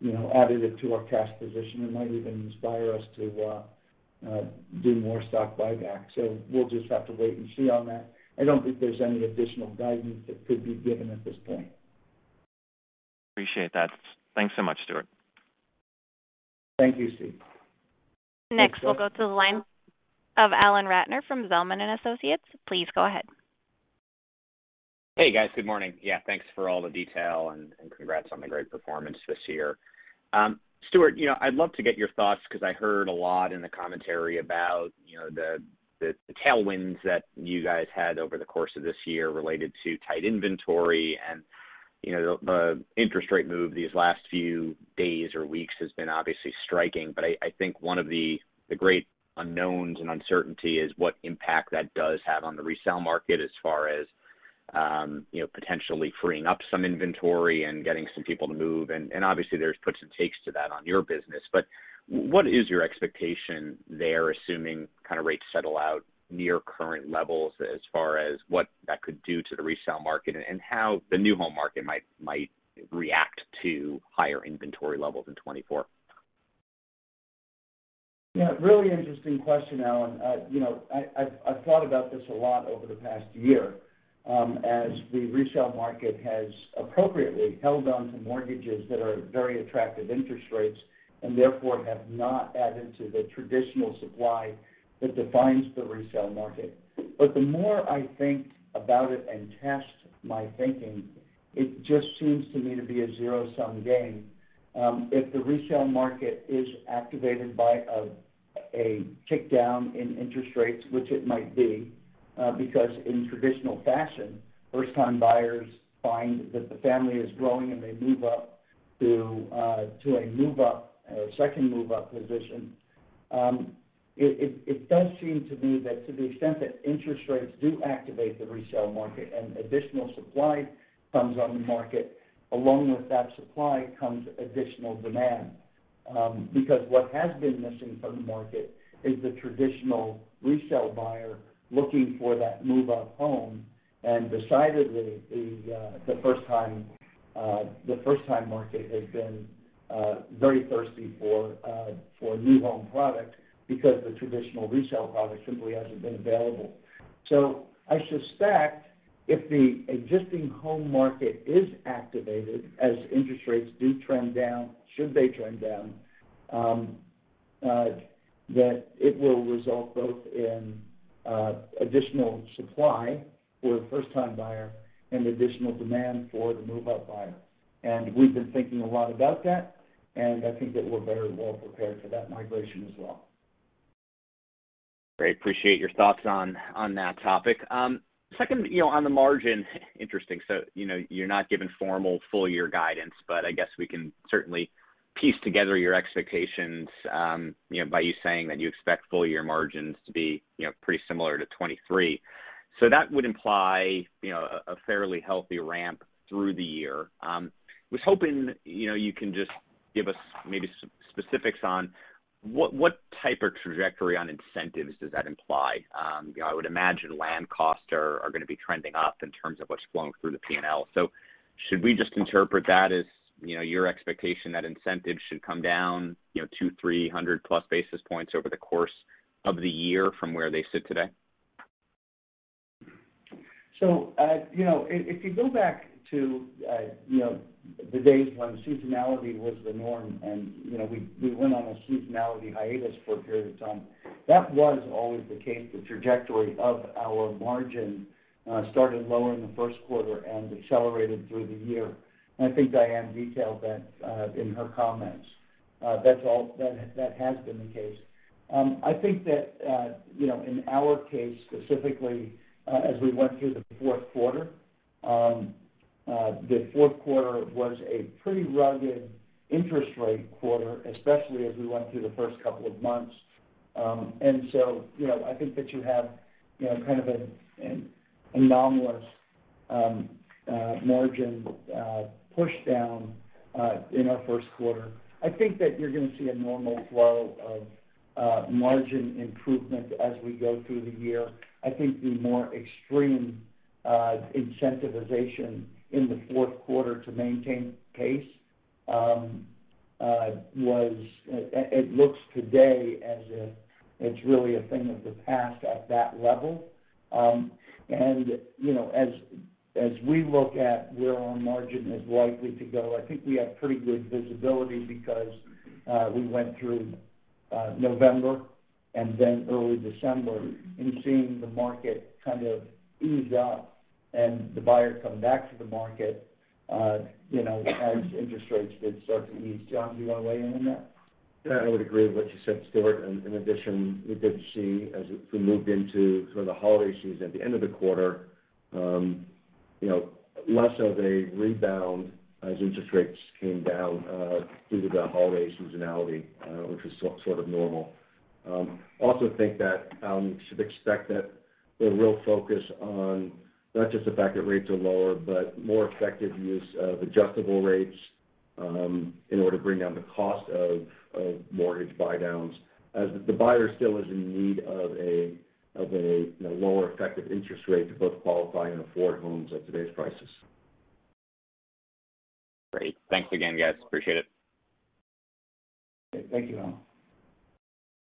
you know, added it to our cash position. It might even inspire us to do more stock buyback. So we'll just have to wait and see on that. I don't think there's any additional guidance that could be given at this point. Appreciate that. Thanks so much, Stuart. Thank you, Steve. Next, we'll go to the line of Alan Ratner from Zelman & Associates. Please go ahead. Hey, guys. Good morning. Yeah, thanks for all the detail, and congrats on the great performance this year. Stuart, you know, I'd love to get your thoughts, because I heard a lot in the commentary about, you know, the tailwinds that you guys had over the course of this year related to tight inventory. And, you know, the interest rate move these last few days or weeks has been obviously striking. But I think one of the great unknowns and uncertainty is what impact that does have on the resale market as far as, you know, potentially freeing up some inventory and getting some people to move. Obviously, there's puts and takes to that on your business, but what is your expectation there, assuming kind of rates settle out near current levels as far as what that could do to the resale market and how the new home market might react to higher inventory levels in 2024? Yeah, really interesting question, Alan. You know, I've thought about this a lot over the past year, as the resale market has appropriately held on to mortgages that are very attractive interest rates, and therefore, have not added to the traditional supply that defines the resale market. But the more I think about it and test my thinking, it just seems to me to be a zero-sum game. If the resale market is activated by a kick down in interest rates, which it might be, because in traditional fashion, first-time buyers find that the family is growing and they move up to a move-up second move-up position. It does seem to me that to the extent that interest rates do activate the resale market and additional supply comes on the market, along with that supply comes additional demand. Because what has been missing from the market is the traditional resale buyer looking for that move-up home, and decidedly the first-time market has been very thirsty for new home product because the traditional resale product simply hasn't been available. So I suspect if the existing home market is activated, as interest rates do trend down, should they trend down, that it will result both in additional supply for a first-time buyer and additional demand for the move-up buyer. And we've been thinking a lot about that, and I think that we're very well prepared for that migration as well. Great. Appreciate your thoughts on that topic. Second, you know, on the margin, interesting. So, you know, you're not giving formal full-year guidance, but I guess we can certainly piece together your expectations, you know, by you saying that you expect full-year margins to be, you know, pretty similar to 2023. So that would imply, you know, a fairly healthy ramp through the year. Was hoping, you know, you can just give us maybe specifics on what type of trajectory on incentives does that imply? You know, I would imagine land costs are going to be trending up in terms of what's flowing through the P&L. So should we just interpret that as, you know, your expectation that incentives should come down, you know, 200-300+ basis points over the course of the year from where they sit today? So, you know, if you go back to, you know, the days when seasonality was the norm, and, you know, we went on a seasonality hiatus for a period of time, that was always the case. The trajectory of our margin started lower in the first quarter and accelerated through the year. I think Diane detailed that in her comments. That's all. That has been the case. I think that, you know, in our case, specifically, as we went through the fourth quarter, the fourth quarter was a pretty rugged interest rate quarter, especially as we went through the first couple of months. And so, you know, I think that you have, you know, kind of an anomalous margin push down in our first quarter. I think that you're going to see a normal flow of margin improvement as we go through the year. I think the more extreme incentivization in the fourth quarter to maintain pace was... It looks today as if it's really a thing of the past at that level. And, you know, as we look at where our margin is likely to go, I think we have pretty good visibility because we went through November and then early December and seeing the market kind of ease up and the buyer come back to the market, you know, as interest rates did start to ease. Jon, do you want to weigh in on that? Yeah, I would agree with what you said, Stuart. And in addition, we did see, as we moved into sort of the holiday season at the end of the quarter, you know, less of a rebound as interest rates came down, due to the holiday seasonality, which is sort of normal. I also think that, you should expect that the real focus on not just the fact that rates are lower, but more effective use of adjustable rates, in order to bring down the cost of, of mortgage buydowns, as the buyer still is in need of a, of a, you know, lower effective interest rate to both qualify and afford homes at today's prices. Great. Thanks again, guys. Appreciate it. Thank you.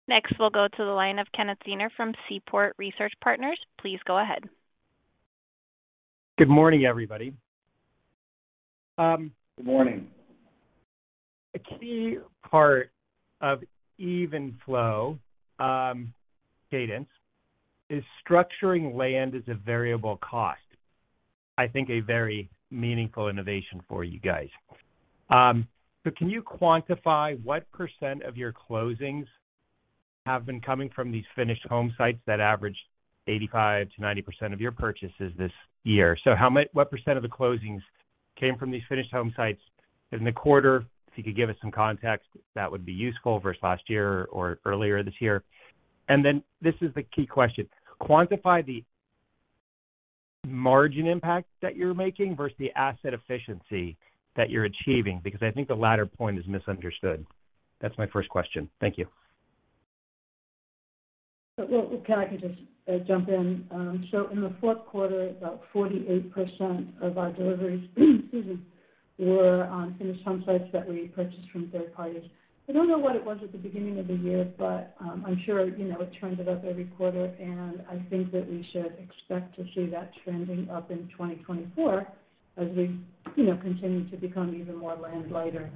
Next, we'll go to the line of Kenneth Zener from Seaport Research Partners. Please go ahead. Good morning, everybody. Good morning. A key part of Even Flow, cadence, is structuring land as a variable cost. I think a very meaningful innovation for you guys. But can you quantify what percent of your closings have been coming from these finished homesites that average 85%-90% of your purchases this year? So how much—what percent of the closings came from these finished homesites in the quarter? If you could give us some context, that would be useful, versus last year or earlier this year. And then this is the key question: quantify the margin impact that you're making versus the asset efficiency that you're achieving, because I think the latter point is misunderstood. That's my first question. Thank you. Well, Ken, I can just jump in. So in the fourth quarter, about 48% of our deliveries, excuse me, were on finished homesites that we purchased from third parties. I don't know what it was at the beginning of the year, but I'm sure, you know, it turns it up every quarter, and I think that we should expect to see that trending up in 2024 as we, you know, continue to become even more land lighter,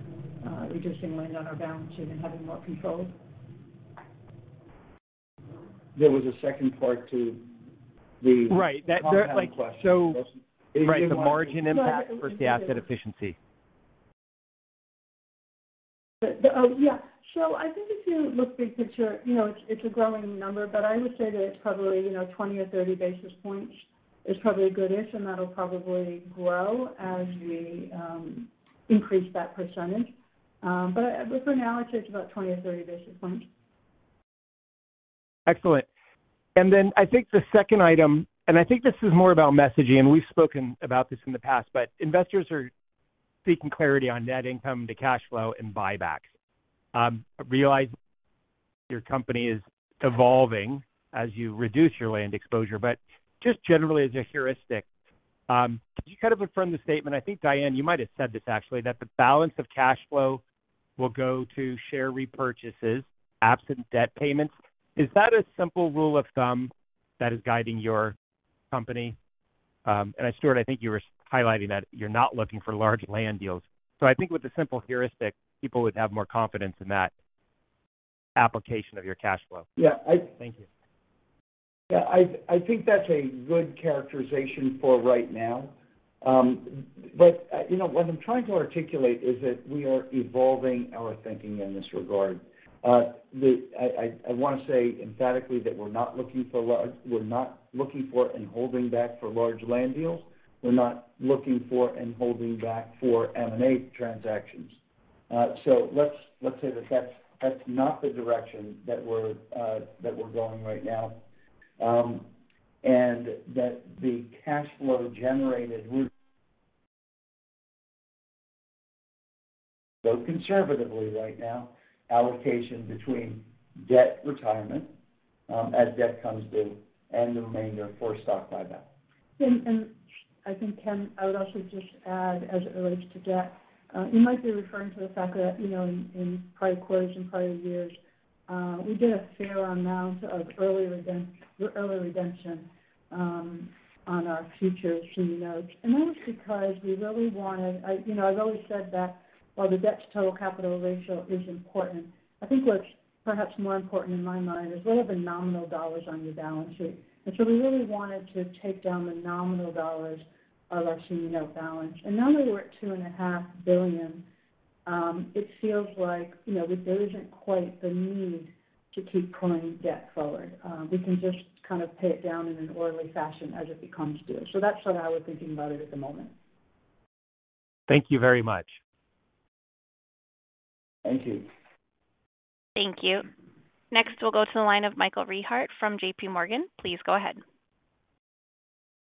reducing land on our balance sheet and having more control. There was a second part to the- Right. That, like, so- Compound question. Right, the margin impact versus the asset efficiency. Yeah. So I think if you look big picture, you know, it's, it's a growing number, but I would say that it's probably, you know, 20 or 30 basis points is probably a good-ish, and that'll probably grow as we increase that percentage. But for now, I'd say it's about 20 or 30 basis points. Excellent. I think the second item, and I think this is more about messaging, and we've spoken about this in the past, but investors are seeking clarity on net income to cash flow and buybacks. I realize your company is evolving as you reduce your land exposure, but just generally, as a heuristic... could you kind of confirm the statement, I think, Diane, you might have said this actually, that the balance of cash flow will go to share repurchases, absent debt payments? Is that a simple rule of thumb that is guiding your company? And Stuart, I think you were highlighting that you're not looking for large land deals. So I think with the simple heuristic, people would have more confidence in that application of your cash flow. Yeah, I- Thank you. Yeah, I think that's a good characterization for right now. But, you know, what I'm trying to articulate is that we are evolving our thinking in this regard. I wanna say emphatically that we're not looking for large land deals. We're not looking for and holding back for large land deals. We're not looking for and holding back for M&A transactions. So let's say that that's not the direction that we're going right now. And that the cash flow generated would go conservatively right now, allocation between debt retirement, as debt comes due, and the remainder for stock buyback. I think, Ken, I would also just add, as it relates to debt, you might be referring to the fact that, you know, in prior quarters and prior years, we did a fair amount of early redemption on our future Senior Notes. And that was because we really wanted... You know, I've always said that while the debt-to-total capital ratio is important, I think what's perhaps more important in my mind is what are the nominal dollars on your balance sheet? And so we really wanted to take down the nominal dollars of our Senior Notes balance. And now that we're at $2.5 billion, it feels like, you know, that there isn't quite the need to keep pulling debt forward. We can just kind of pay it down in an orderly fashion as it becomes due. That's how we're thinking about it at the moment. Thank you very much. Thank you. Thank you. Next, we'll go to the line of Michael Rehaut from J.P. Morgan. Please go ahead.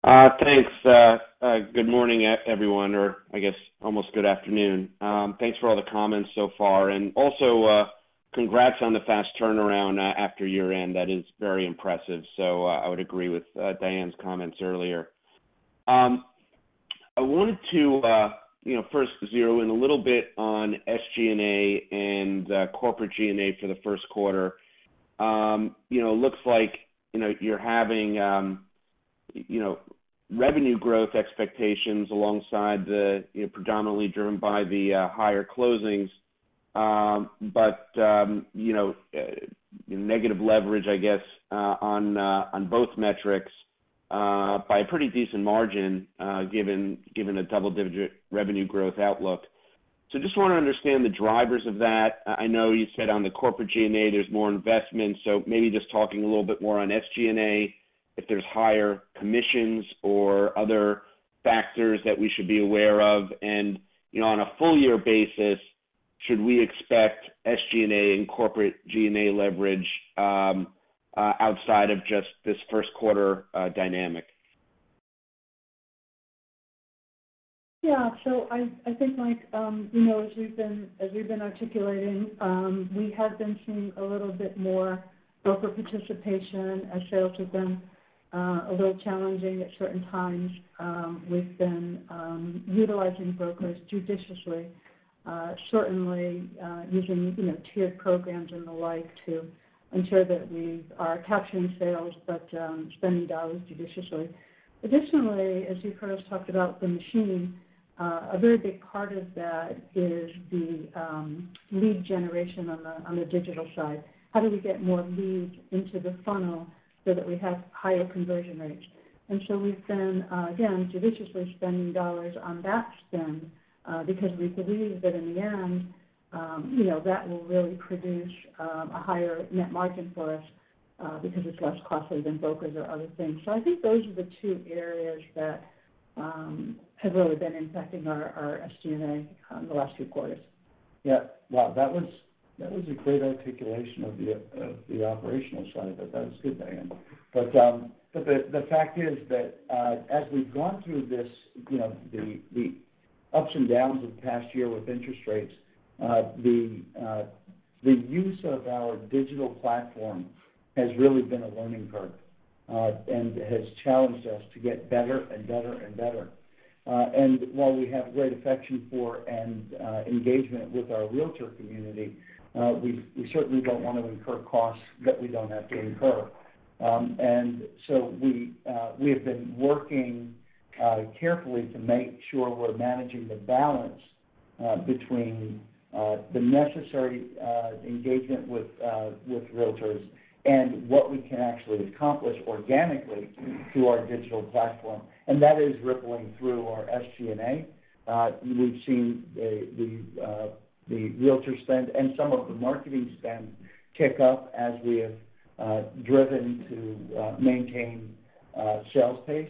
Thanks. Good morning, everyone, or I guess almost good afternoon. Thanks for all the comments so far, and also, congrats on the fast turnaround after year-end. That is very impressive. So, I would agree with Diane's comments earlier. I wanted to, you know, first zero in a little bit on SG&A and corporate G&A for the first quarter. You know, looks like, you know, you're having revenue growth expectations alongside the, you know, predominantly driven by the higher closings. But, you know, negative leverage, I guess, on both metrics by a pretty decent margin, given a double-digit revenue growth outlook. So just wanna understand the drivers of that. I know you said on the corporate G&A, there's more investment, so maybe just talking a little bit more on SG&A, if there's higher commissions or other factors that we should be aware of. You know, on a full year basis, should we expect SG&A and corporate G&A leverage outside of just this first quarter dynamic? Yeah. So I think, Mike, you know, as we've been articulating, we have been seeing a little bit more broker participation as sales have been a little challenging at certain times. We've been utilizing brokers judiciously, certainly using, you know, tiered programs and the like to ensure that we are capturing sales, but spending dollars judiciously. Additionally, as you've heard us talked about the machine, a very big part of that is the lead generation on the digital side. How do we get more leads into the funnel so that we have higher conversion rates? We've been again, judiciously spending dollars on that spend, because we believe that in the end, you know, that will really produce a higher net margin for us, because it's less costly than brokers or other things. So I think those are the two areas that have really been impacting our SG&A in the last few quarters. Yeah. Wow, that was a great articulation of the operational side of it. That was good, Diane. But the fact is that, as we've gone through this, you know, the ups and downs of the past year with interest rates, the use of our digital platform has really been a learning curve, and has challenged us to get better and better and better. And while we have great affection for and engagement with our Realtor community, we certainly don't want to incur costs that we don't have to incur. And so we have been working carefully to make sure we're managing the balance between the necessary engagement with Realtors and what we can actually accomplish organically through our digital platform, and that is rippling through our SG&A. We've seen the Realtor spend and some of the marketing spend tick up as we have driven to maintain sales pace.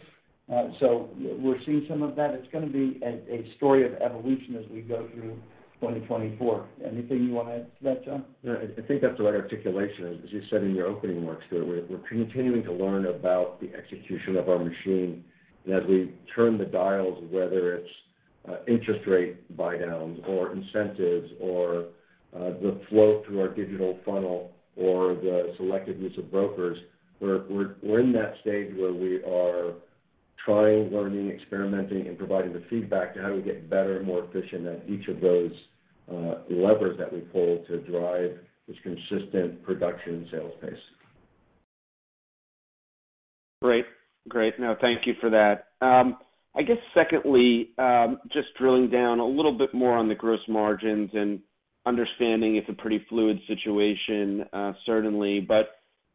So we're seeing some of that. It's gonna be a story of evolution as we go through 2024. Anything you want to add to that, Jon? Yeah, I think that's the right articulation. As you said in your opening remarks, Stuart, we're continuing to learn about the execution of our machine. And as we turn the dials, whether it's-... interest rate buydowns or incentives or, the flow through our digital funnel or the selected use of brokers. We're in that stage where we are trying, learning, experimenting, and providing the feedback to how do we get better and more efficient at each of those levers that we pull to drive this consistent production and sales pace. Great. Great. No, thank you for that. I guess secondly, just drilling down a little bit more on the gross margins and understanding it's a pretty fluid situation, certainly. But,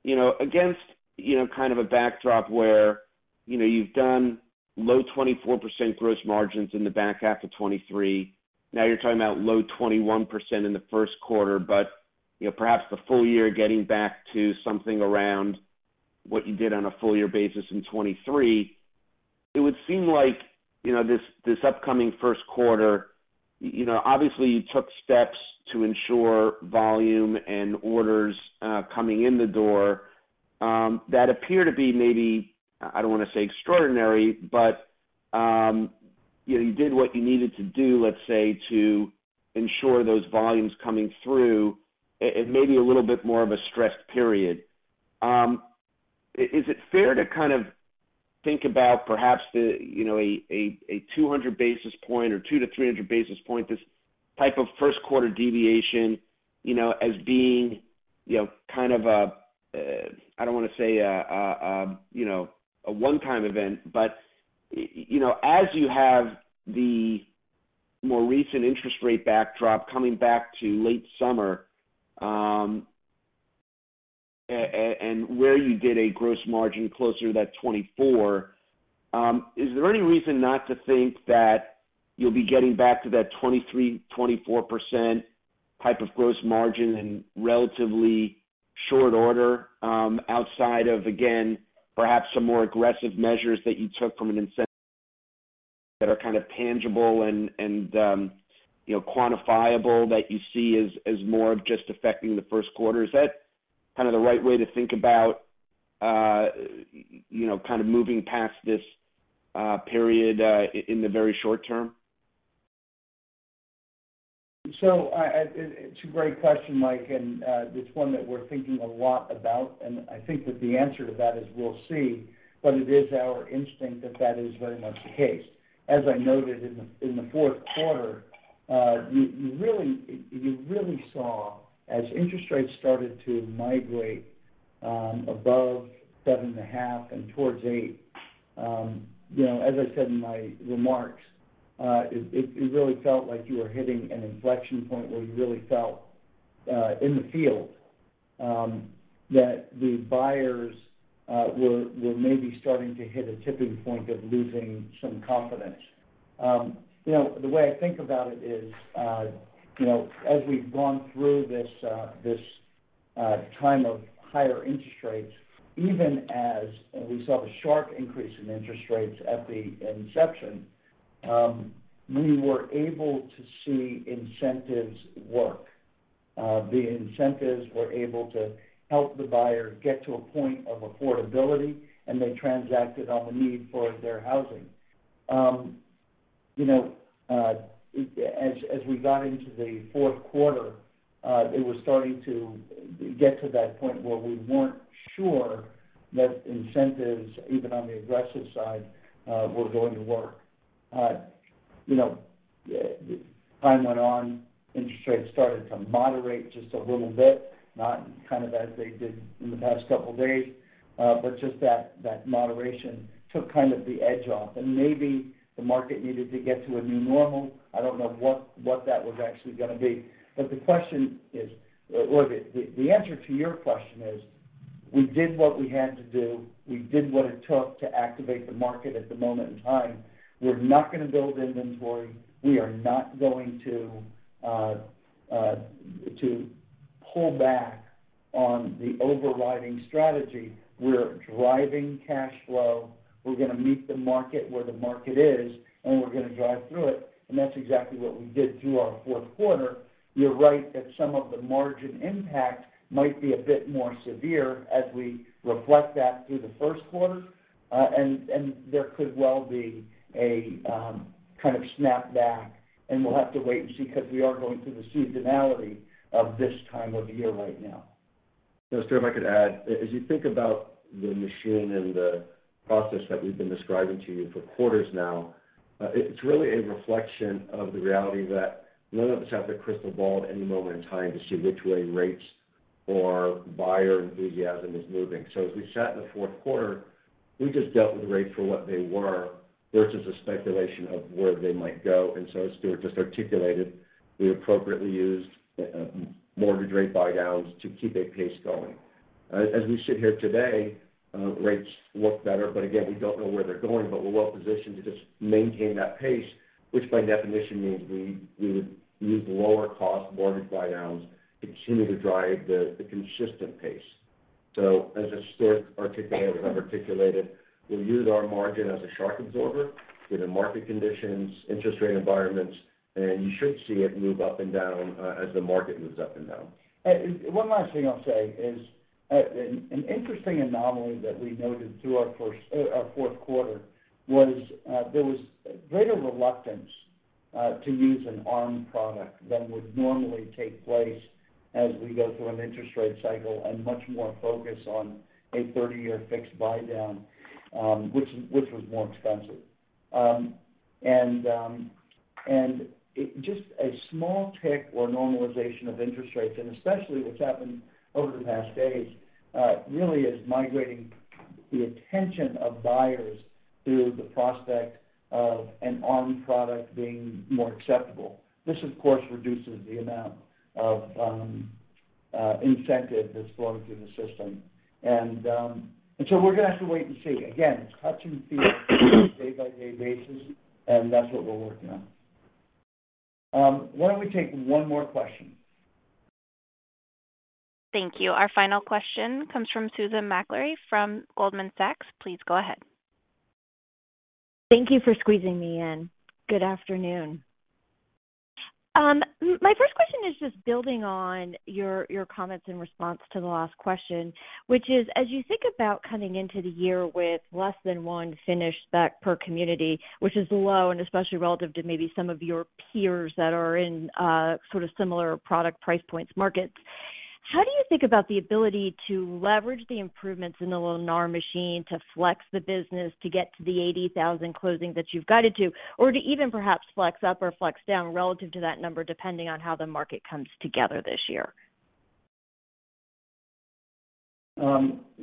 you know, against, you know, kind of a backdrop where, you know, you've done low 24% gross margins in the back half of 2023, now you're talking about low 21% in the first quarter. But, you know, perhaps the full year getting back to something around what you did on a full year basis in 2023, it would seem like, you know, this, this upcoming first quarter, you know, obviously, you took steps to ensure volume and orders coming in the door, that appear to be maybe, I don't want to say extraordinary, but, you know, you did what you needed to do, let's say, to ensure those volumes coming through in maybe a little bit more of a stressed period. Is it fair to kind of think about perhaps the, you know, a 200 basis point or 200-300 basis point, this type of first quarter deviation, you know, as being, you know, kind of a, I don't want to say a, you know, a one-time event, but, you know, as you have the more recent interest rate backdrop coming back to late summer, and where you did a gross margin closer to that 24, is there any reason not to think that you'll be getting back to that 23-24% type of gross margin in relatively short order, outside of, again, perhaps some more aggressive measures that you took from an incentive that are kind of tangible and, and, you know, quantifiable that you see as, as more of just affecting the first quarter? Is that kind of the right way to think about, you know, kind of moving past this period in the very short term? It's a great question, Mike, and it's one that we're thinking a lot about, and I think that the answer to that is we'll see, but it is our instinct that that is very much the case. As I noted in the fourth quarter, you really saw, as interest rates started to migrate above 7.5 and towards 8, you know, as I said in my remarks, it really felt like you were hitting an inflection point where you really felt in the field that the buyers were maybe starting to hit a tipping point of losing some confidence. You know, the way I think about it is, you know, as we've gone through this time of higher interest rates, even as we saw the sharp increase in interest rates at the inception, we were able to see incentives work. The incentives were able to help the buyer get to a point of affordability, and they transacted on the need for their housing. You know, as we got into the fourth quarter, it was starting to get to that point where we weren't sure that incentives, even on the aggressive side, were going to work. You know, time went on, interest rates started to moderate just a little bit, not kind of as they did in the past couple of days, but just that, that moderation took kind of the edge off, and maybe the market needed to get to a new normal. I don't know what, what that was actually gonna be. But the question is, or the, the answer to your question is, we did what we had to do. We did what it took to activate the market at the moment in time. We're not going to build inventory. We are not going to pull back on the overriding strategy. We're driving cash flow. We're going to meet the market where the market is, and we're going to drive through it, and that's exactly what we did through our fourth quarter. You're right that some of the margin impact might be a bit more severe as we reflect that through the first quarter, and there could well be a kind of snapback, and we'll have to wait and see, because we are going through the seasonality of this time of year right now. So Stuart, if I could add, as you think about the machine and the process that we've been describing to you for quarters now, it's really a reflection of the reality that none of us have a crystal ball at any moment in time to see which way rates or buyer enthusiasm is moving. So as we sat in the fourth quarter, we just dealt with rates for what they were versus a speculation of where they might go. And so as Stuart just articulated, we appropriately used mortgage rate buydowns to keep a pace going. As we sit here today, rates look better, but again, we don't know where they're going, but we're well positioned to just maintain that pace, which by definition means we would use lower cost mortgage buydowns to continue to drive the consistent pace. So as Stuart articulated, we'll use our margin as a shock absorber in the market conditions, interest rate environments, and you should see it move up and down as the market moves up and down. One last thing I'll say is, an interesting anomaly that we noted through our fourth quarter was, there was greater reluctance to use an ARM product than would normally take place as we go through an interest rate cycle and much more focus on a 30-year fixed buydown, which was more expensive. And it just a small tick or normalization of interest rates, and especially what's happened over the past days, really is migrating the attention of buyers to the prospect of an ARM product being more acceptable. This, of course, reduces the amount of incentive that's flowing through the system. And so we're gonna have to wait and see. Again, it's touch and feel day-by-day basis, and that's what we're working on. Why don't we take one more question? Thank you. Our final question comes from Susan Maklari from Goldman Sachs. Please go ahead. Thank you for squeezing me in. Good afternoon. My first question is just building on your, your comments in response to the last question, which is, as you think about coming into the year with less than 1 finished spec per community, which is low, and especially relative to maybe some of your peers that are in, sort of similar product price points markets, how do you think about the ability to leverage the improvements in the Lennar Machine to flex the business to get to the 80,000 closings that you've guided to, or to even perhaps flex up or flex down relative to that number, depending on how the market comes together this year?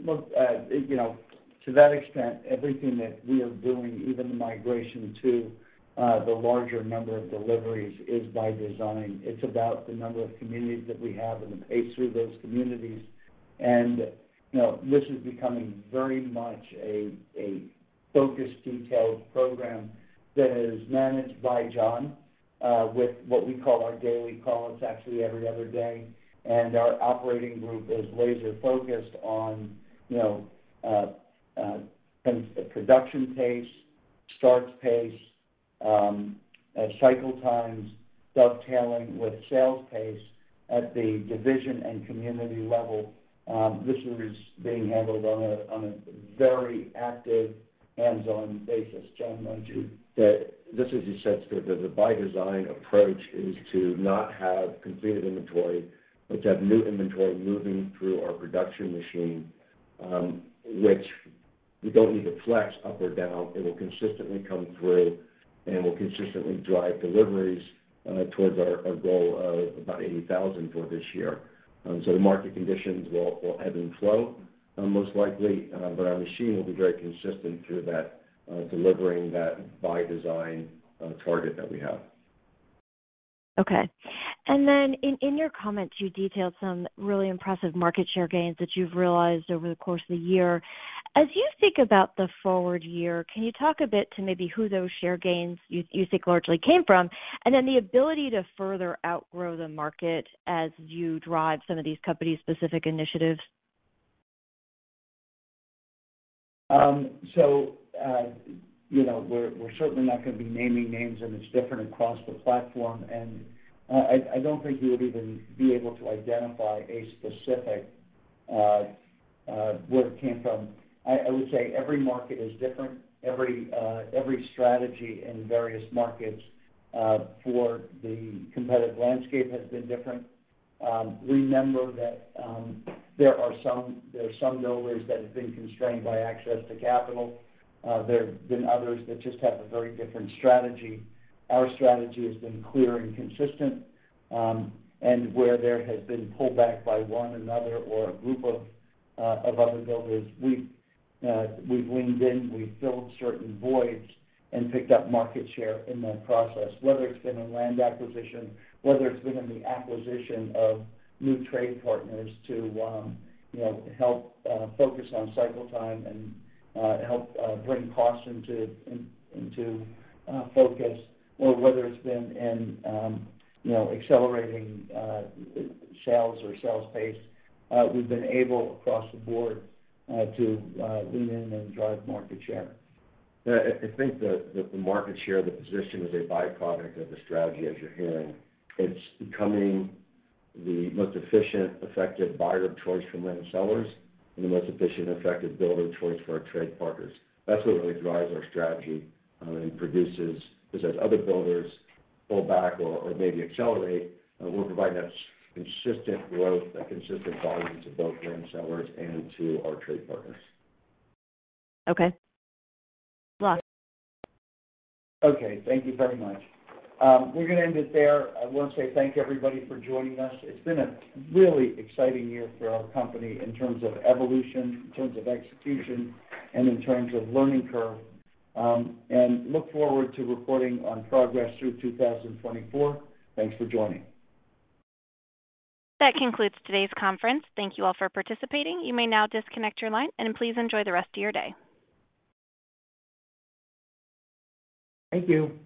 Look, you know, to that extent, everything that we are doing, even the migration to the larger number of deliveries, is by design. It's about the number of communities that we have and the pace through those communities. And, you know, this is becoming very much a focus detailed program that is managed by Jon with what we call our daily calls, actually, every other day. And our operating group is laser-focused on, you know, production pace, starts pace, cycle times, dovetailing with sales pace at the division and community level. This is being handled on a very active hands-on basis. Jon, why don't you? That this is, as you said, Susan, the by design approach is to not have completed inventory, but to have new inventory moving through our production machine, which we don't need to flex up or down. It will consistently come through and will consistently drive deliveries towards our goal of about 80,000 for this year. So the market conditions will ebb and flow, most likely, but our machine will be very consistent through that, delivering that by design target that we have. Okay. And then in your comments, you detailed some really impressive market share gains that you've realized over the course of the year. As you think about the forward year, can you talk a bit to maybe who those share gains you think largely came from, and then the ability to further outgrow the market as you drive some of these company-specific initiatives? So, you know, we're certainly not going to be naming names, and it's different across the platform. I don't think you would even be able to identify a specific where it came from. I would say every market is different. Every strategy in various markets for the competitive landscape has been different. Remember that there are some builders that have been constrained by access to capital. There have been others that just have a very different strategy. Our strategy has been clear and consistent, and where there has been pullback by one or another or a group of other builders, we've leaned in, we've filled certain voids and picked up market share in that process, whether it's been in land acquisition, whether it's been in the acquisition of new trade partners to, you know, help focus on cycle time and help bring costs into focus, or whether it's been in, you know, accelerating sales or sales pace, we've been able across the board to lean in and drive market share. Yeah, I think that the market share of the position is a byproduct of the strategy as you're hearing. It's becoming the most efficient, effective buyer of choice for land sellers and the most efficient and effective builder of choice for our trade partners. That's what really drives our strategy, and produces... As other builders pull back or maybe accelerate, we're providing a consistent growth, that consistent volume to both land sellers and to our trade partners. Okay. Thanks a lot. Okay, thank you very much. We're gonna end it there. I want to say thank you, everybody, for joining us. It's been a really exciting year for our company in terms of evolution, in terms of execution, and in terms of learning curve. And look forward to reporting on progress through 2024. Thanks for joining. That concludes today's conference. Thank you all for participating. You may now disconnect your line, and please enjoy the rest of your day. Thank you.